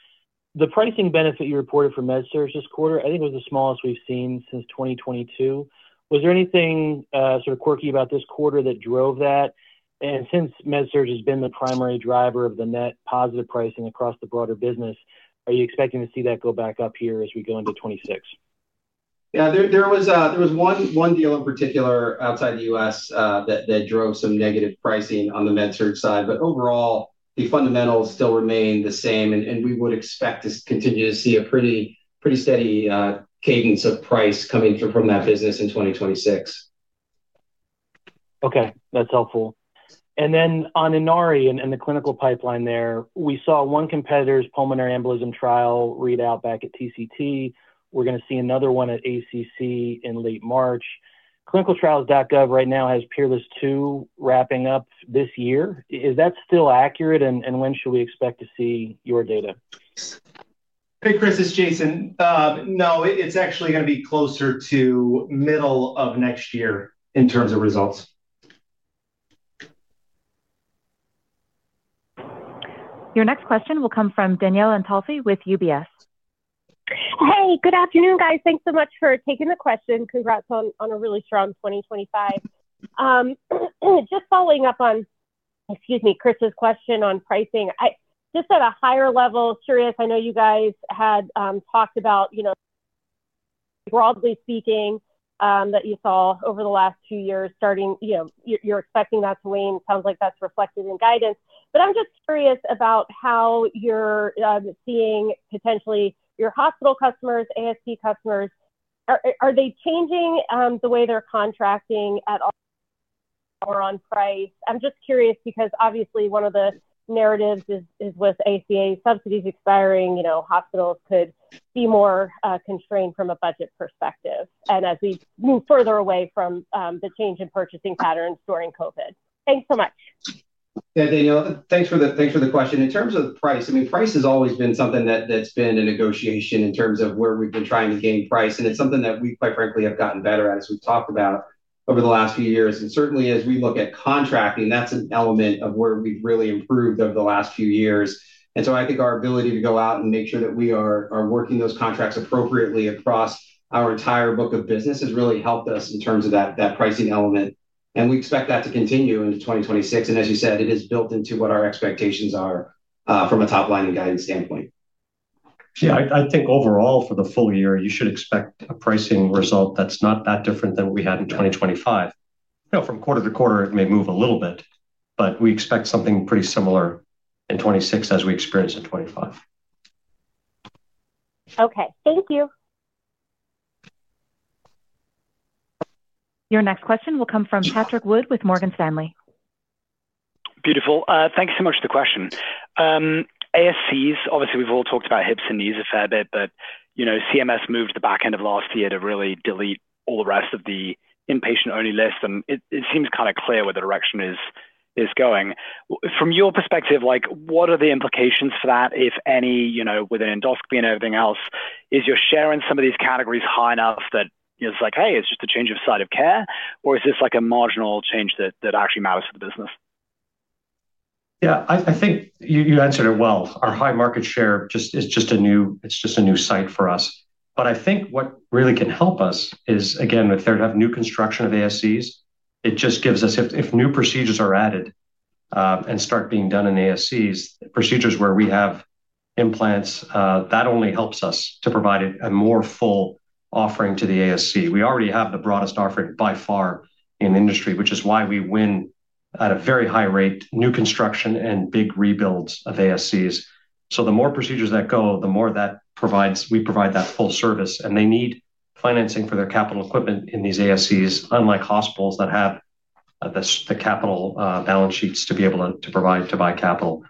the pricing benefit you reported for MedSurg this quarter, I think, was the smallest we've seen since 2022. Was there anything sort of quirky about this quarter that drove that? And since MedSurg has been the primary driver of the net positive pricing across the broader business, are you expecting to see that go back up here as we go into 2026? Yeah. There was one deal in particular outside the U.S. that drove some negative pricing on the MedSurg side. But overall, the fundamentals still remain the same. And we would expect to continue to see a pretty steady cadence of price coming from that business in 2026. Okay. That's helpful. And then on Inari and the clinical pipeline there, we saw one competitor's pulmonary embolism trial read out back at TCT. We're going to see another one at ACC in late March. ClinicalTrials.gov right now has PEERLESS II wrapping up this year. Is that still accurate? And when should we expect to see your data? Hey, Chris, it's Jason. No, it's actually going to be closer to middle of next year in terms of results. Your next question will come from Danielle Antalffy with UBS. Hey, good afternoon, guys. Thanks so much for taking the question. Congrats on a really strong 2025. Just following up on, excuse me, Chris's question on pricing, just at a higher level, so I know you guys had talked about, broadly speaking, that you saw over the last two years, starting you're expecting that to wane. It sounds like that's reflected in guidance. But I'm just curious about how you're seeing potentially your hospital customers, ASC customers. Are they changing the way they're contracting at all or on price? I'm just curious because obviously one of the narratives is with ACA subsidies expiring, hospitals could be more constrained from a budget perspective. And as we move further away from the change in purchasing patterns during COVID. Thanks so much. Yeah, Danielle, thanks for the question. In terms of price, I mean, price has always been something that's been a negotiation in terms of where we've been trying to gain price. And it's something that we, quite frankly, have gotten better at as we've talked about over the last few years. And certainly, as we look at contracting, that's an element of where we've really improved over the last few years. And so I think our ability to go out and make sure that we are working those contracts appropriately across our entire book of business has really helped us in terms of that pricing element. And we expect that to continue into 2026. And as you said, it is built into what our expectations are from a top line and guidance standpoint. Yeah, I think overall, for the full year, you should expect a pricing result that's not that different than what we had in 2025. From quarter to quarter, it may move a little bit, but we expect something pretty similar in 2026 as we experience in 2025. Okay. Thank you. Your next question will come from Patrick Wood with Morgan Stanley. Beautiful. Thanks so much for the question. ASCs, obviously, we've all talked about hips and knees a fair bit, but CMS moved to the back end of last year to really delete all the rest of the inpatient-only list. It seems kind of clear where the direction is going. From your perspective, what are the implications for that, if any, with an Endoscopy and everything else? Is your share in some of these categories high enough that it's like, "Hey, it's just a change of site of care," or is this a marginal change that actually matters to the business? Yeah, I think you answered it well. Our high market share is just a new site for us. But I think what really can help us is, again, if they're to have new construction of ASCs, it just gives us, if new procedures are added and start being done in ASCs, procedures where we have implants, that only helps us to provide a more full offering to the ASC. We already have the broadest offering by far in the industry, which is why we win at a very high rate, new construction and big rebuilds of ASCs. So the more procedures that go, the more that we provide that full service. And they need financing for their capital equipment in these ASCs, unlike hospitals that have the capital balance sheets to be able to provide to buy capital.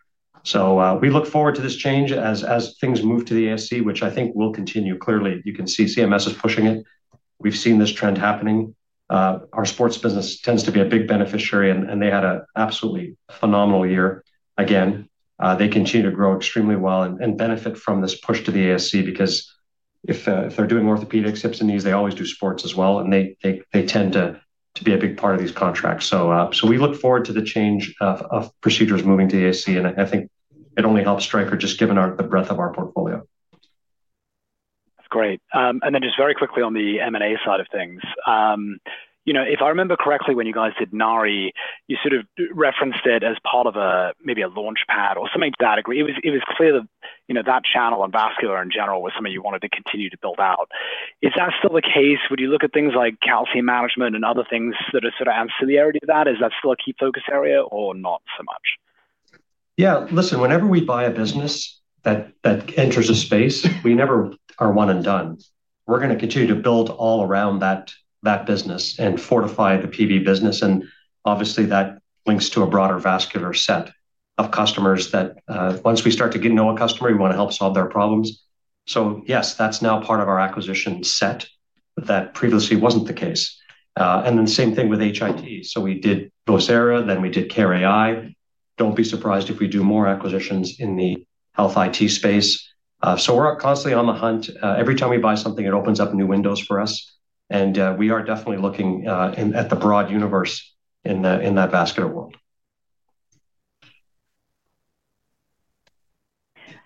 So we look forward to this change as things move to the ASC, which I think will continue. Clearly, you can see CMS is pushing it. We've seen this trend happening. Our sports business tends to be a big beneficiary, and they had an absolutely phenomenal year. Again, they continue to grow extremely well and benefit from this push to the ASC because if they're doing Orthopaedics, hips and knees, they always do sports as well. And they tend to be a big part of these contracts. So we look forward to the change of procedures moving to the ASC. And I think it only helps Stryker just given the breadth of our portfolio. That's great. And then just very quickly on the M&A side of things. If I remember correctly, when you guys did Inari, you sort of referenced it as part of maybe a launchpad or something to that degree. It was clear that that channel on vascular in general was something you wanted to continue to build out. Is that still the case? Would you look at things like calcium management and other things that are sort of ancillary to that? Is that still a key focus area or not so much? Yeah. Listen, whenever we buy a business that enters a space, we never are one and done. We're going to continue to build all around that business and fortify the PV business. And obviously, that links to a broader vascular set of customers that once we start to get to know a customer, we want to help solve their problems. So yes, that's now part of our acquisition set that previously wasn't the case. And then same thing with HIT. So we did Vocera, then we did care.ai. Don't be surprised if we do more acquisitions in the health IT space. So we're constantly on the hunt. Every time we buy something, it opens up new windows for us. And we are definitely looking at the broad universe in that vascular world.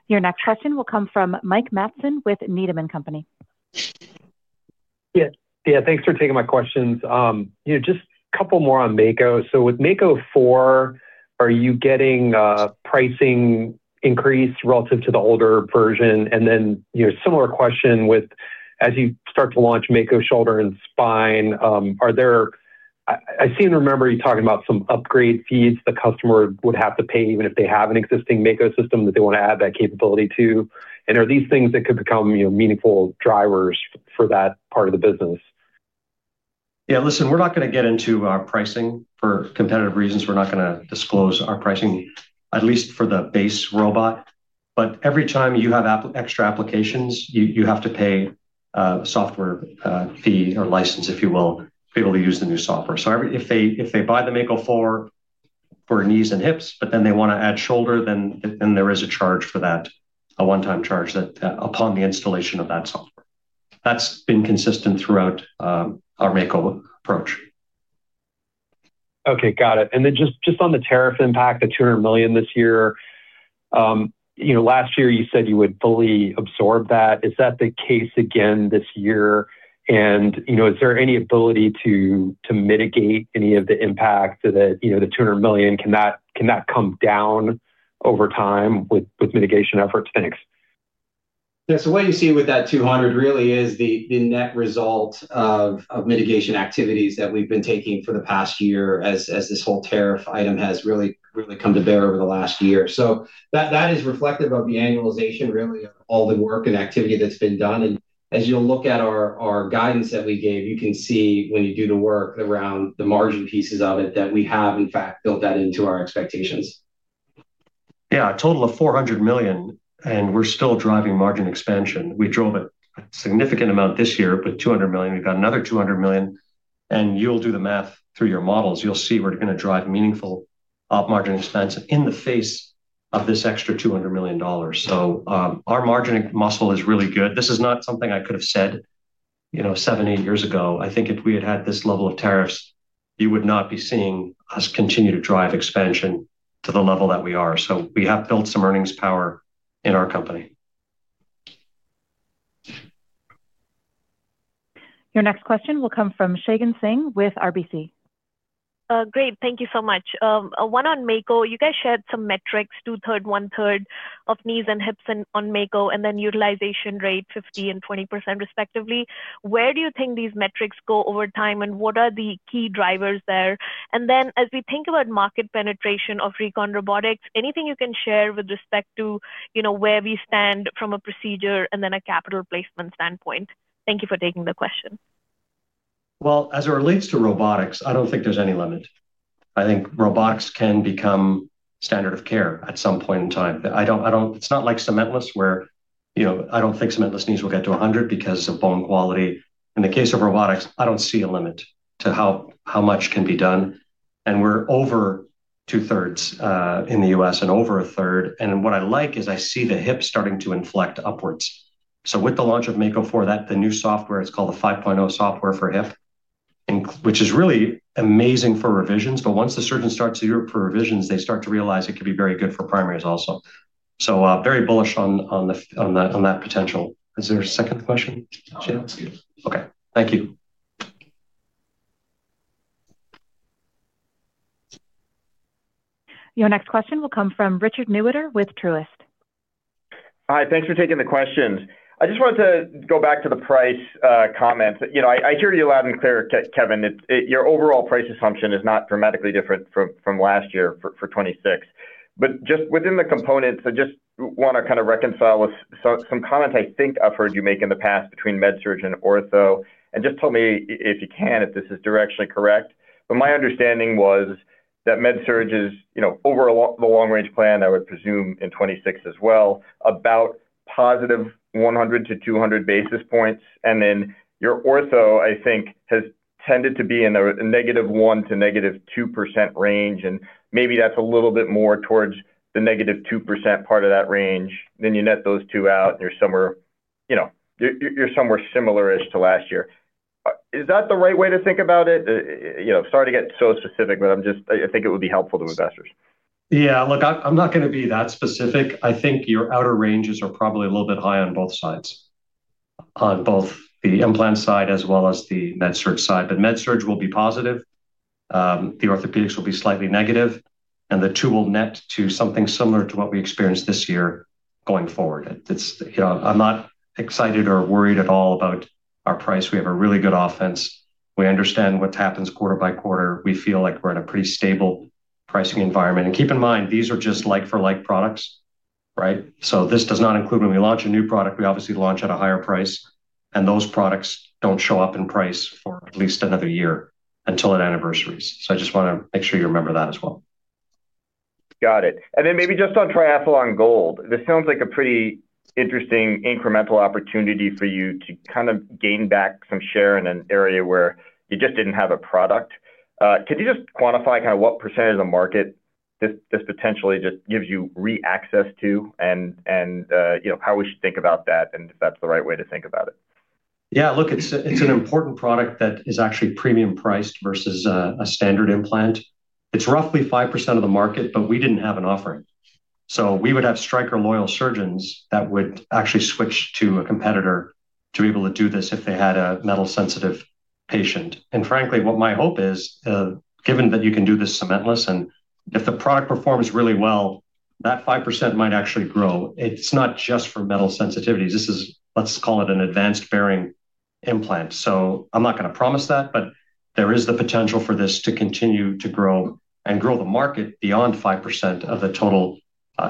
Your next question will come from Mike Matson with Needham & Company. Yeah. Thanks for taking my questions. Just a couple more on Mako. So with Mako 4, are you getting a pricing increase relative to the older version? And then similar question with, as you start to launch Mako Shoulder and Spine, are there—I seem to remember you talking about some upgrade fees the customer would have to pay even if they have an existing Mako system that they want to add that capability to. And are these things that could become meaningful drivers for that part of the business? Yeah. Listen, we're not going to get into pricing for competitive reasons. We're not going to disclose our pricing, at least for the base robot. But every time you have extra applications, you have to pay a software fee or license, if you will, to be able to use the new software. So if they buy the Mako 4 for knees and hips, but then they want to add shoulder, then there is a charge for that, a one-time charge upon the installation of that software. That's been consistent throughout our Mako approach. Okay. Got it. And then just on the tariff impact, the $200 million this year, last year, you said you would fully absorb that. Is that the case again this year? And is there any ability to mitigate any of the impact that the $200 million? Can that come down over time with mitigation efforts? Thanks. Yeah. So what you see with that 200 really is the net result of mitigation activities that we've been taking for the past year as this whole tariff item has really come to bear over the last year. So that is reflective of the annualization, really, of all the work and activity that's been done. And as you'll look at our guidance that we gave, you can see when you do the work around the margin pieces of it that we have, in fact, built that into our expectations. Yeah. A total of $400 million, and we're still driving margin expansion. We drove a significant amount this year, but $200 million. We've got another $200 million. And you'll do the math through your models. You'll see we're going to drive meaningful margin expense in the face of this extra $200 million. So our margin muscle is really good. This is not something I could have said seven, eight years ago. I think if we had had this level of tariffs, you would not be seeing us continue to drive expansion to the level that we are. So we have built some earnings power in our company. Your next question will come from Shagun Singh with RBC. Great. Thank you so much. One on Mako, you guys shared some metrics, 2/3, 1/3 of knees and hips on Mako, and then utilization rate, 50% and 20% respectively. Where do you think these metrics go over time, and what are the key drivers there? And then as we think about market penetration of recon robotics, anything you can share with respect to where we stand from a procedure and then a capital placement standpoint? Thank you for taking the question. Well, as it relates to robotics, I don't think there's any limit. I think robotics can become standard of care at some point in time. It's not like cementless, where I don't think cementless knees will get to 100 because of bone quality. In the case of robotics, I don't see a limit to how much can be done. And we're over 2/3 in the U.S. and over 1/3. And what I like is I see the hip starting to inflect upwards. So with the launch of Mako 4, the new software, it's called the 5.0 software for hip, which is really amazing for revisions. But once the surgeon starts to do it for revisions, they start to realize it could be very good for primaries also. So very bullish on that potential. Is there a second question, Shagun? No. Okay. Thank you. Your next question will come from Richard Newitter with Truist. Hi. Thanks for taking the question. I just wanted to go back to the price comments. I hear you loud and clear, Kevin. Your overall price assumption is not dramatically different from last year for 2026. But just within the components, I just want to kind of reconcile with some comments I think I've heard you make in the past between MedSurg and Ortho. And just tell me, if you can, if this is directionally correct. But my understanding was that MedSurg is over the long-range plan, I would presume in 2026 as well, about positive 100-200 basis points. And then your Ortho I think has tended to be in the -1% to -2% range. And maybe that's a little bit more towards the -2% part of that range. Then you net those two out, and you're somewhere similar-ish to last year. Is that the right way to think about it? Sorry to get so specific, but I think it would be helpful to investors. Yeah. Look, I'm not going to be that specific. I think your outer ranges are probably a little bit high on both sides, on both the implant side as well as the MedSurg side. But MedSurg will be positive. The Orthopaedics will be slightly negative. And the two will net to something similar to what we experienced this year going forward. I'm not excited or worried at all about our price. We have a really good offense. We understand what happens quarter by quarter. We feel like we're in a pretty stable pricing environment. And keep in mind, these are just like-for-like products, right? So this does not include when we launch a new product, we obviously launch at a higher price. And those products don't show up in price for at least another year until at anniversaries. So I just want to make sure you remember that as well. Got it. And then maybe just on Triathlon Gold, this sounds like a pretty interesting incremental opportunity for you to kind of gain back some share in an area where you just didn't have a product. Could you just quantify kind of what percentage of the market this potentially just gives you re-access to and how we should think about that and if that's the right way to think about it? Yeah. Look, it's an important product that is actually premium priced versus a standard implant. It's roughly 5% of the market, but we didn't have an offering. So we would have Stryker loyal surgeons that would actually switch to a competitor to be able to do this if they had a metal-sensitive patient. And frankly, what my hope is, given that you can do this cementless, and if the product performs really well, that 5% might actually grow. It's not just for metal sensitivities. This is, let's call it, an advanced bearing implant. So I'm not going to promise that, but there is the potential for this to continue to grow and grow the market beyond 5% of the total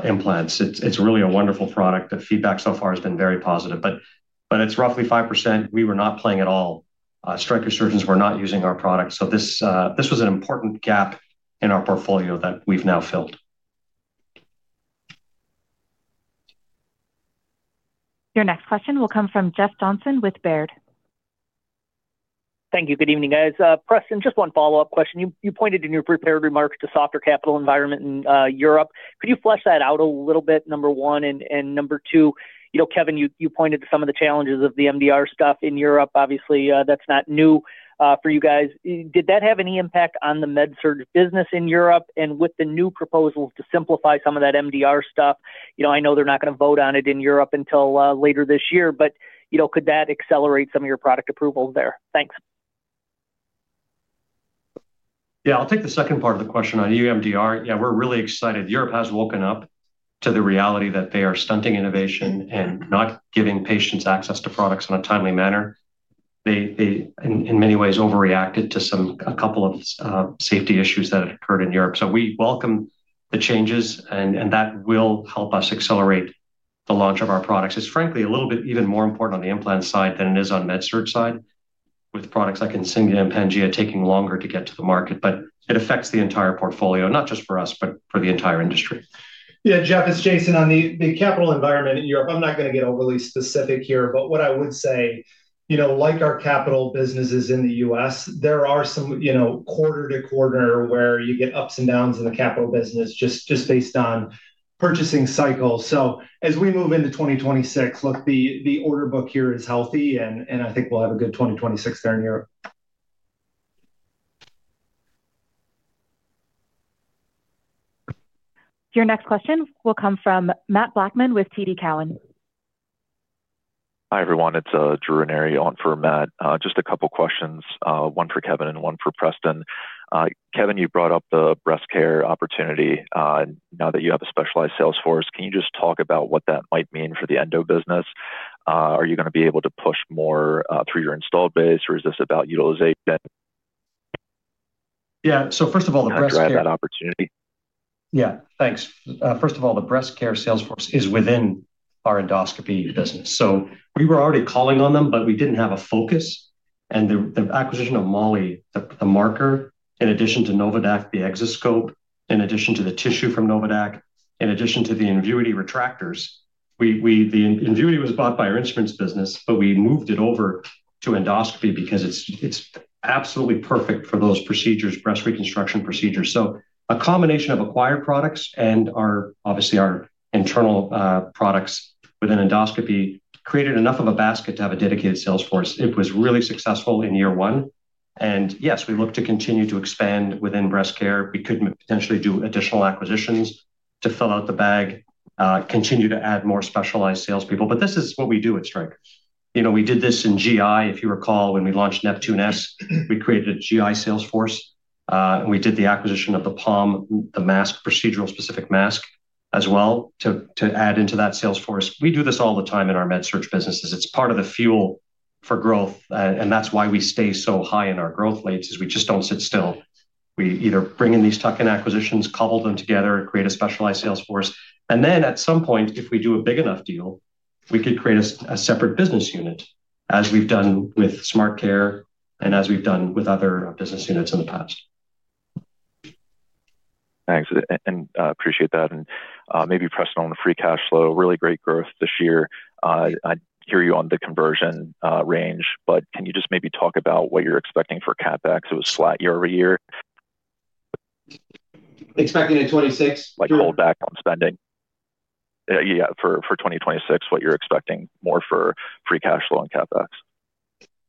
implants. It's really a wonderful product. The feedback so far has been very positive. But it's roughly 5%. We were not playing at all. Stryker surgeons were not using our product. This was an important gap in our portfolio that we've now filled. Your next question will come from Jeff Johnson with Baird. Thank you. Good evening, guys. Preston, just one follow-up question. You pointed in your prepared remarks to softer capital environment in Europe. Could you flesh that out a little bit, number one? And number two, Kevin, you pointed to some of the challenges of the MDR stuff in Europe. Obviously, that's not new for you guys. Did that have any impact on the MedSurg business in Europe? And with the new proposals to simplify some of that MDR stuff, I know they're not going to vote on it in Europe until later this year, but could that accelerate some of your product approvals there? Thanks. Yeah. I'll take the second part of the question on EU MDR. Yeah, we're really excited. Europe has woken up to the reality that they are stunting innovation and not giving patients access to products in a timely manner. They, in many ways, overreacted to a couple of safety issues that had occurred in Europe. So we welcome the changes, and that will help us accelerate the launch of our products. It's frankly a little bit even more important on the implant side than it is on MedSurg side, with products like Insignia and Pangea taking longer to get to the market. But it affects the entire portfolio, not just for us, but for the entire industry. Yeah. Jeff, it's Jason on the capital environment in Europe. I'm not going to get overly specific here, but what I would say, like our capital businesses in the U.S., there are some quarter-to-quarter where you get ups and downs in the capital business just based on purchasing cycles. So as we move into 2026, look, the order book here is healthy, and I think we'll have a good 2026 there in Europe. Your next question will come from Matt Blackman with TD Cowen. Hi everyone. It's Drew Ranieri on for Matt. Just a couple of questions, one for Kevin and one for Preston. Kevin, you brought up the Breast Care opportunity. Now that you have a specialized sales force, can you just talk about what that might mean for the endo business? Are you going to be able to push more through your installed base, or is this about utilization? Yeah. So first of all, the Breast Care. Yeah. Thanks. First of all, the Breast Care sales force is within our Endoscopy business. So we were already calling on them, but we didn't have a focus. And the acquisition of MOLLI, the marker, in addition to NOVADAQ, the exoscope, in addition to the tissue from NOVADAQ, in addition to the Invuity retractors. The Invuity was bought by our Instruments business, but we moved it over to Endoscopy because it's absolutely perfect for those procedures, breast reconstruction procedures. So a combination of acquired products and obviously our internal products within Endoscopy created enough of a basket to have a dedicated sales force. It was really successful in year one. And yes, we look to continue to expand within Breast Care. We could potentially do additional acquisitions to fill out the bag, continue to add more specialized salespeople. But this is what we do at Stryker. We did this in GI. If you recall, when we launched Neptune S, we created a GI sales force. We did the acquisition of The POM, the mask, procedural specific mask as well to add into that sales force. We do this all the time in our MedSurg businesses. It's part of the fuel for growth. And that's why we stay so high in our growth rates is we just don't sit still. We either bring in these tuck-in acquisitions, cobble them together, create a specialized sales force. And then at some point, if we do a big enough deal, we could create a separate business unit as we've done with SmartCare and as we've done with other business units in the past. Thanks. And appreciate that. And maybe Preston on the free cash flow, really great growth this year. I hear you on the conversion range, but can you just maybe talk about what you're expecting for CapEx? It was flat year-over-year. Expecting in 2026? Like a holdback on spending. Yeah. For 2026, what you're expecting more for free cash flow and CapEx?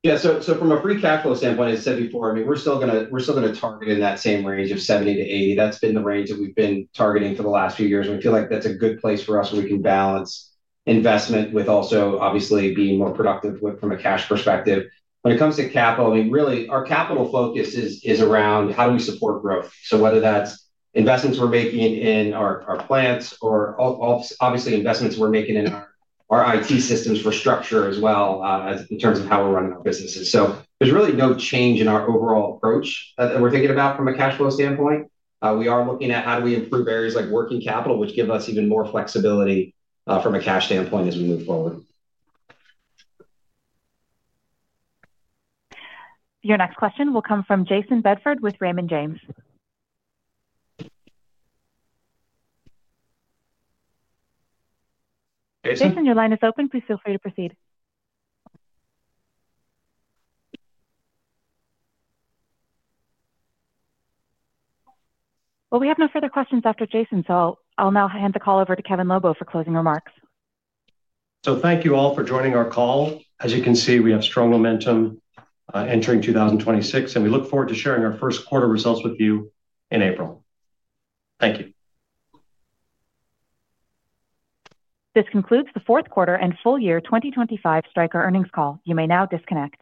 Yeah. So from a free cash flow standpoint, as I said before, I mean, we're still going to target in that same range of 70-80. That's been the range that we've been targeting for the last few years. We feel like that's a good place for us where we can balance investment with also obviously being more productive from a cash perspective. When it comes to capital, I mean, really, our capital focus is around how do we support growth? So whether that's investments we're making in our plants or obviously investments we're making in our IT systems for infrastructure as well in terms of how we're running our businesses. So there's really no change in our overall approach that we're thinking about from a cash flow standpoint. We are looking at how do we improve areas like working capital, which give us even more flexibility from a cash standpoint as we move forward. Your next question will come from Jayson Bedford with Raymond James. Jayson? Jayson, your line is open. Please feel free to proceed. Well, we have no further questions after Jayson, so I'll now hand the call over to Kevin Lobo for closing remarks. Thank you all for joining our call. As you can see, we have strong momentum entering 2026, and we look forward to sharing our first quarter results with you in April. Thank you. This concludes the fourth quarter and full year 2025 Stryker earnings call. You may now disconnect.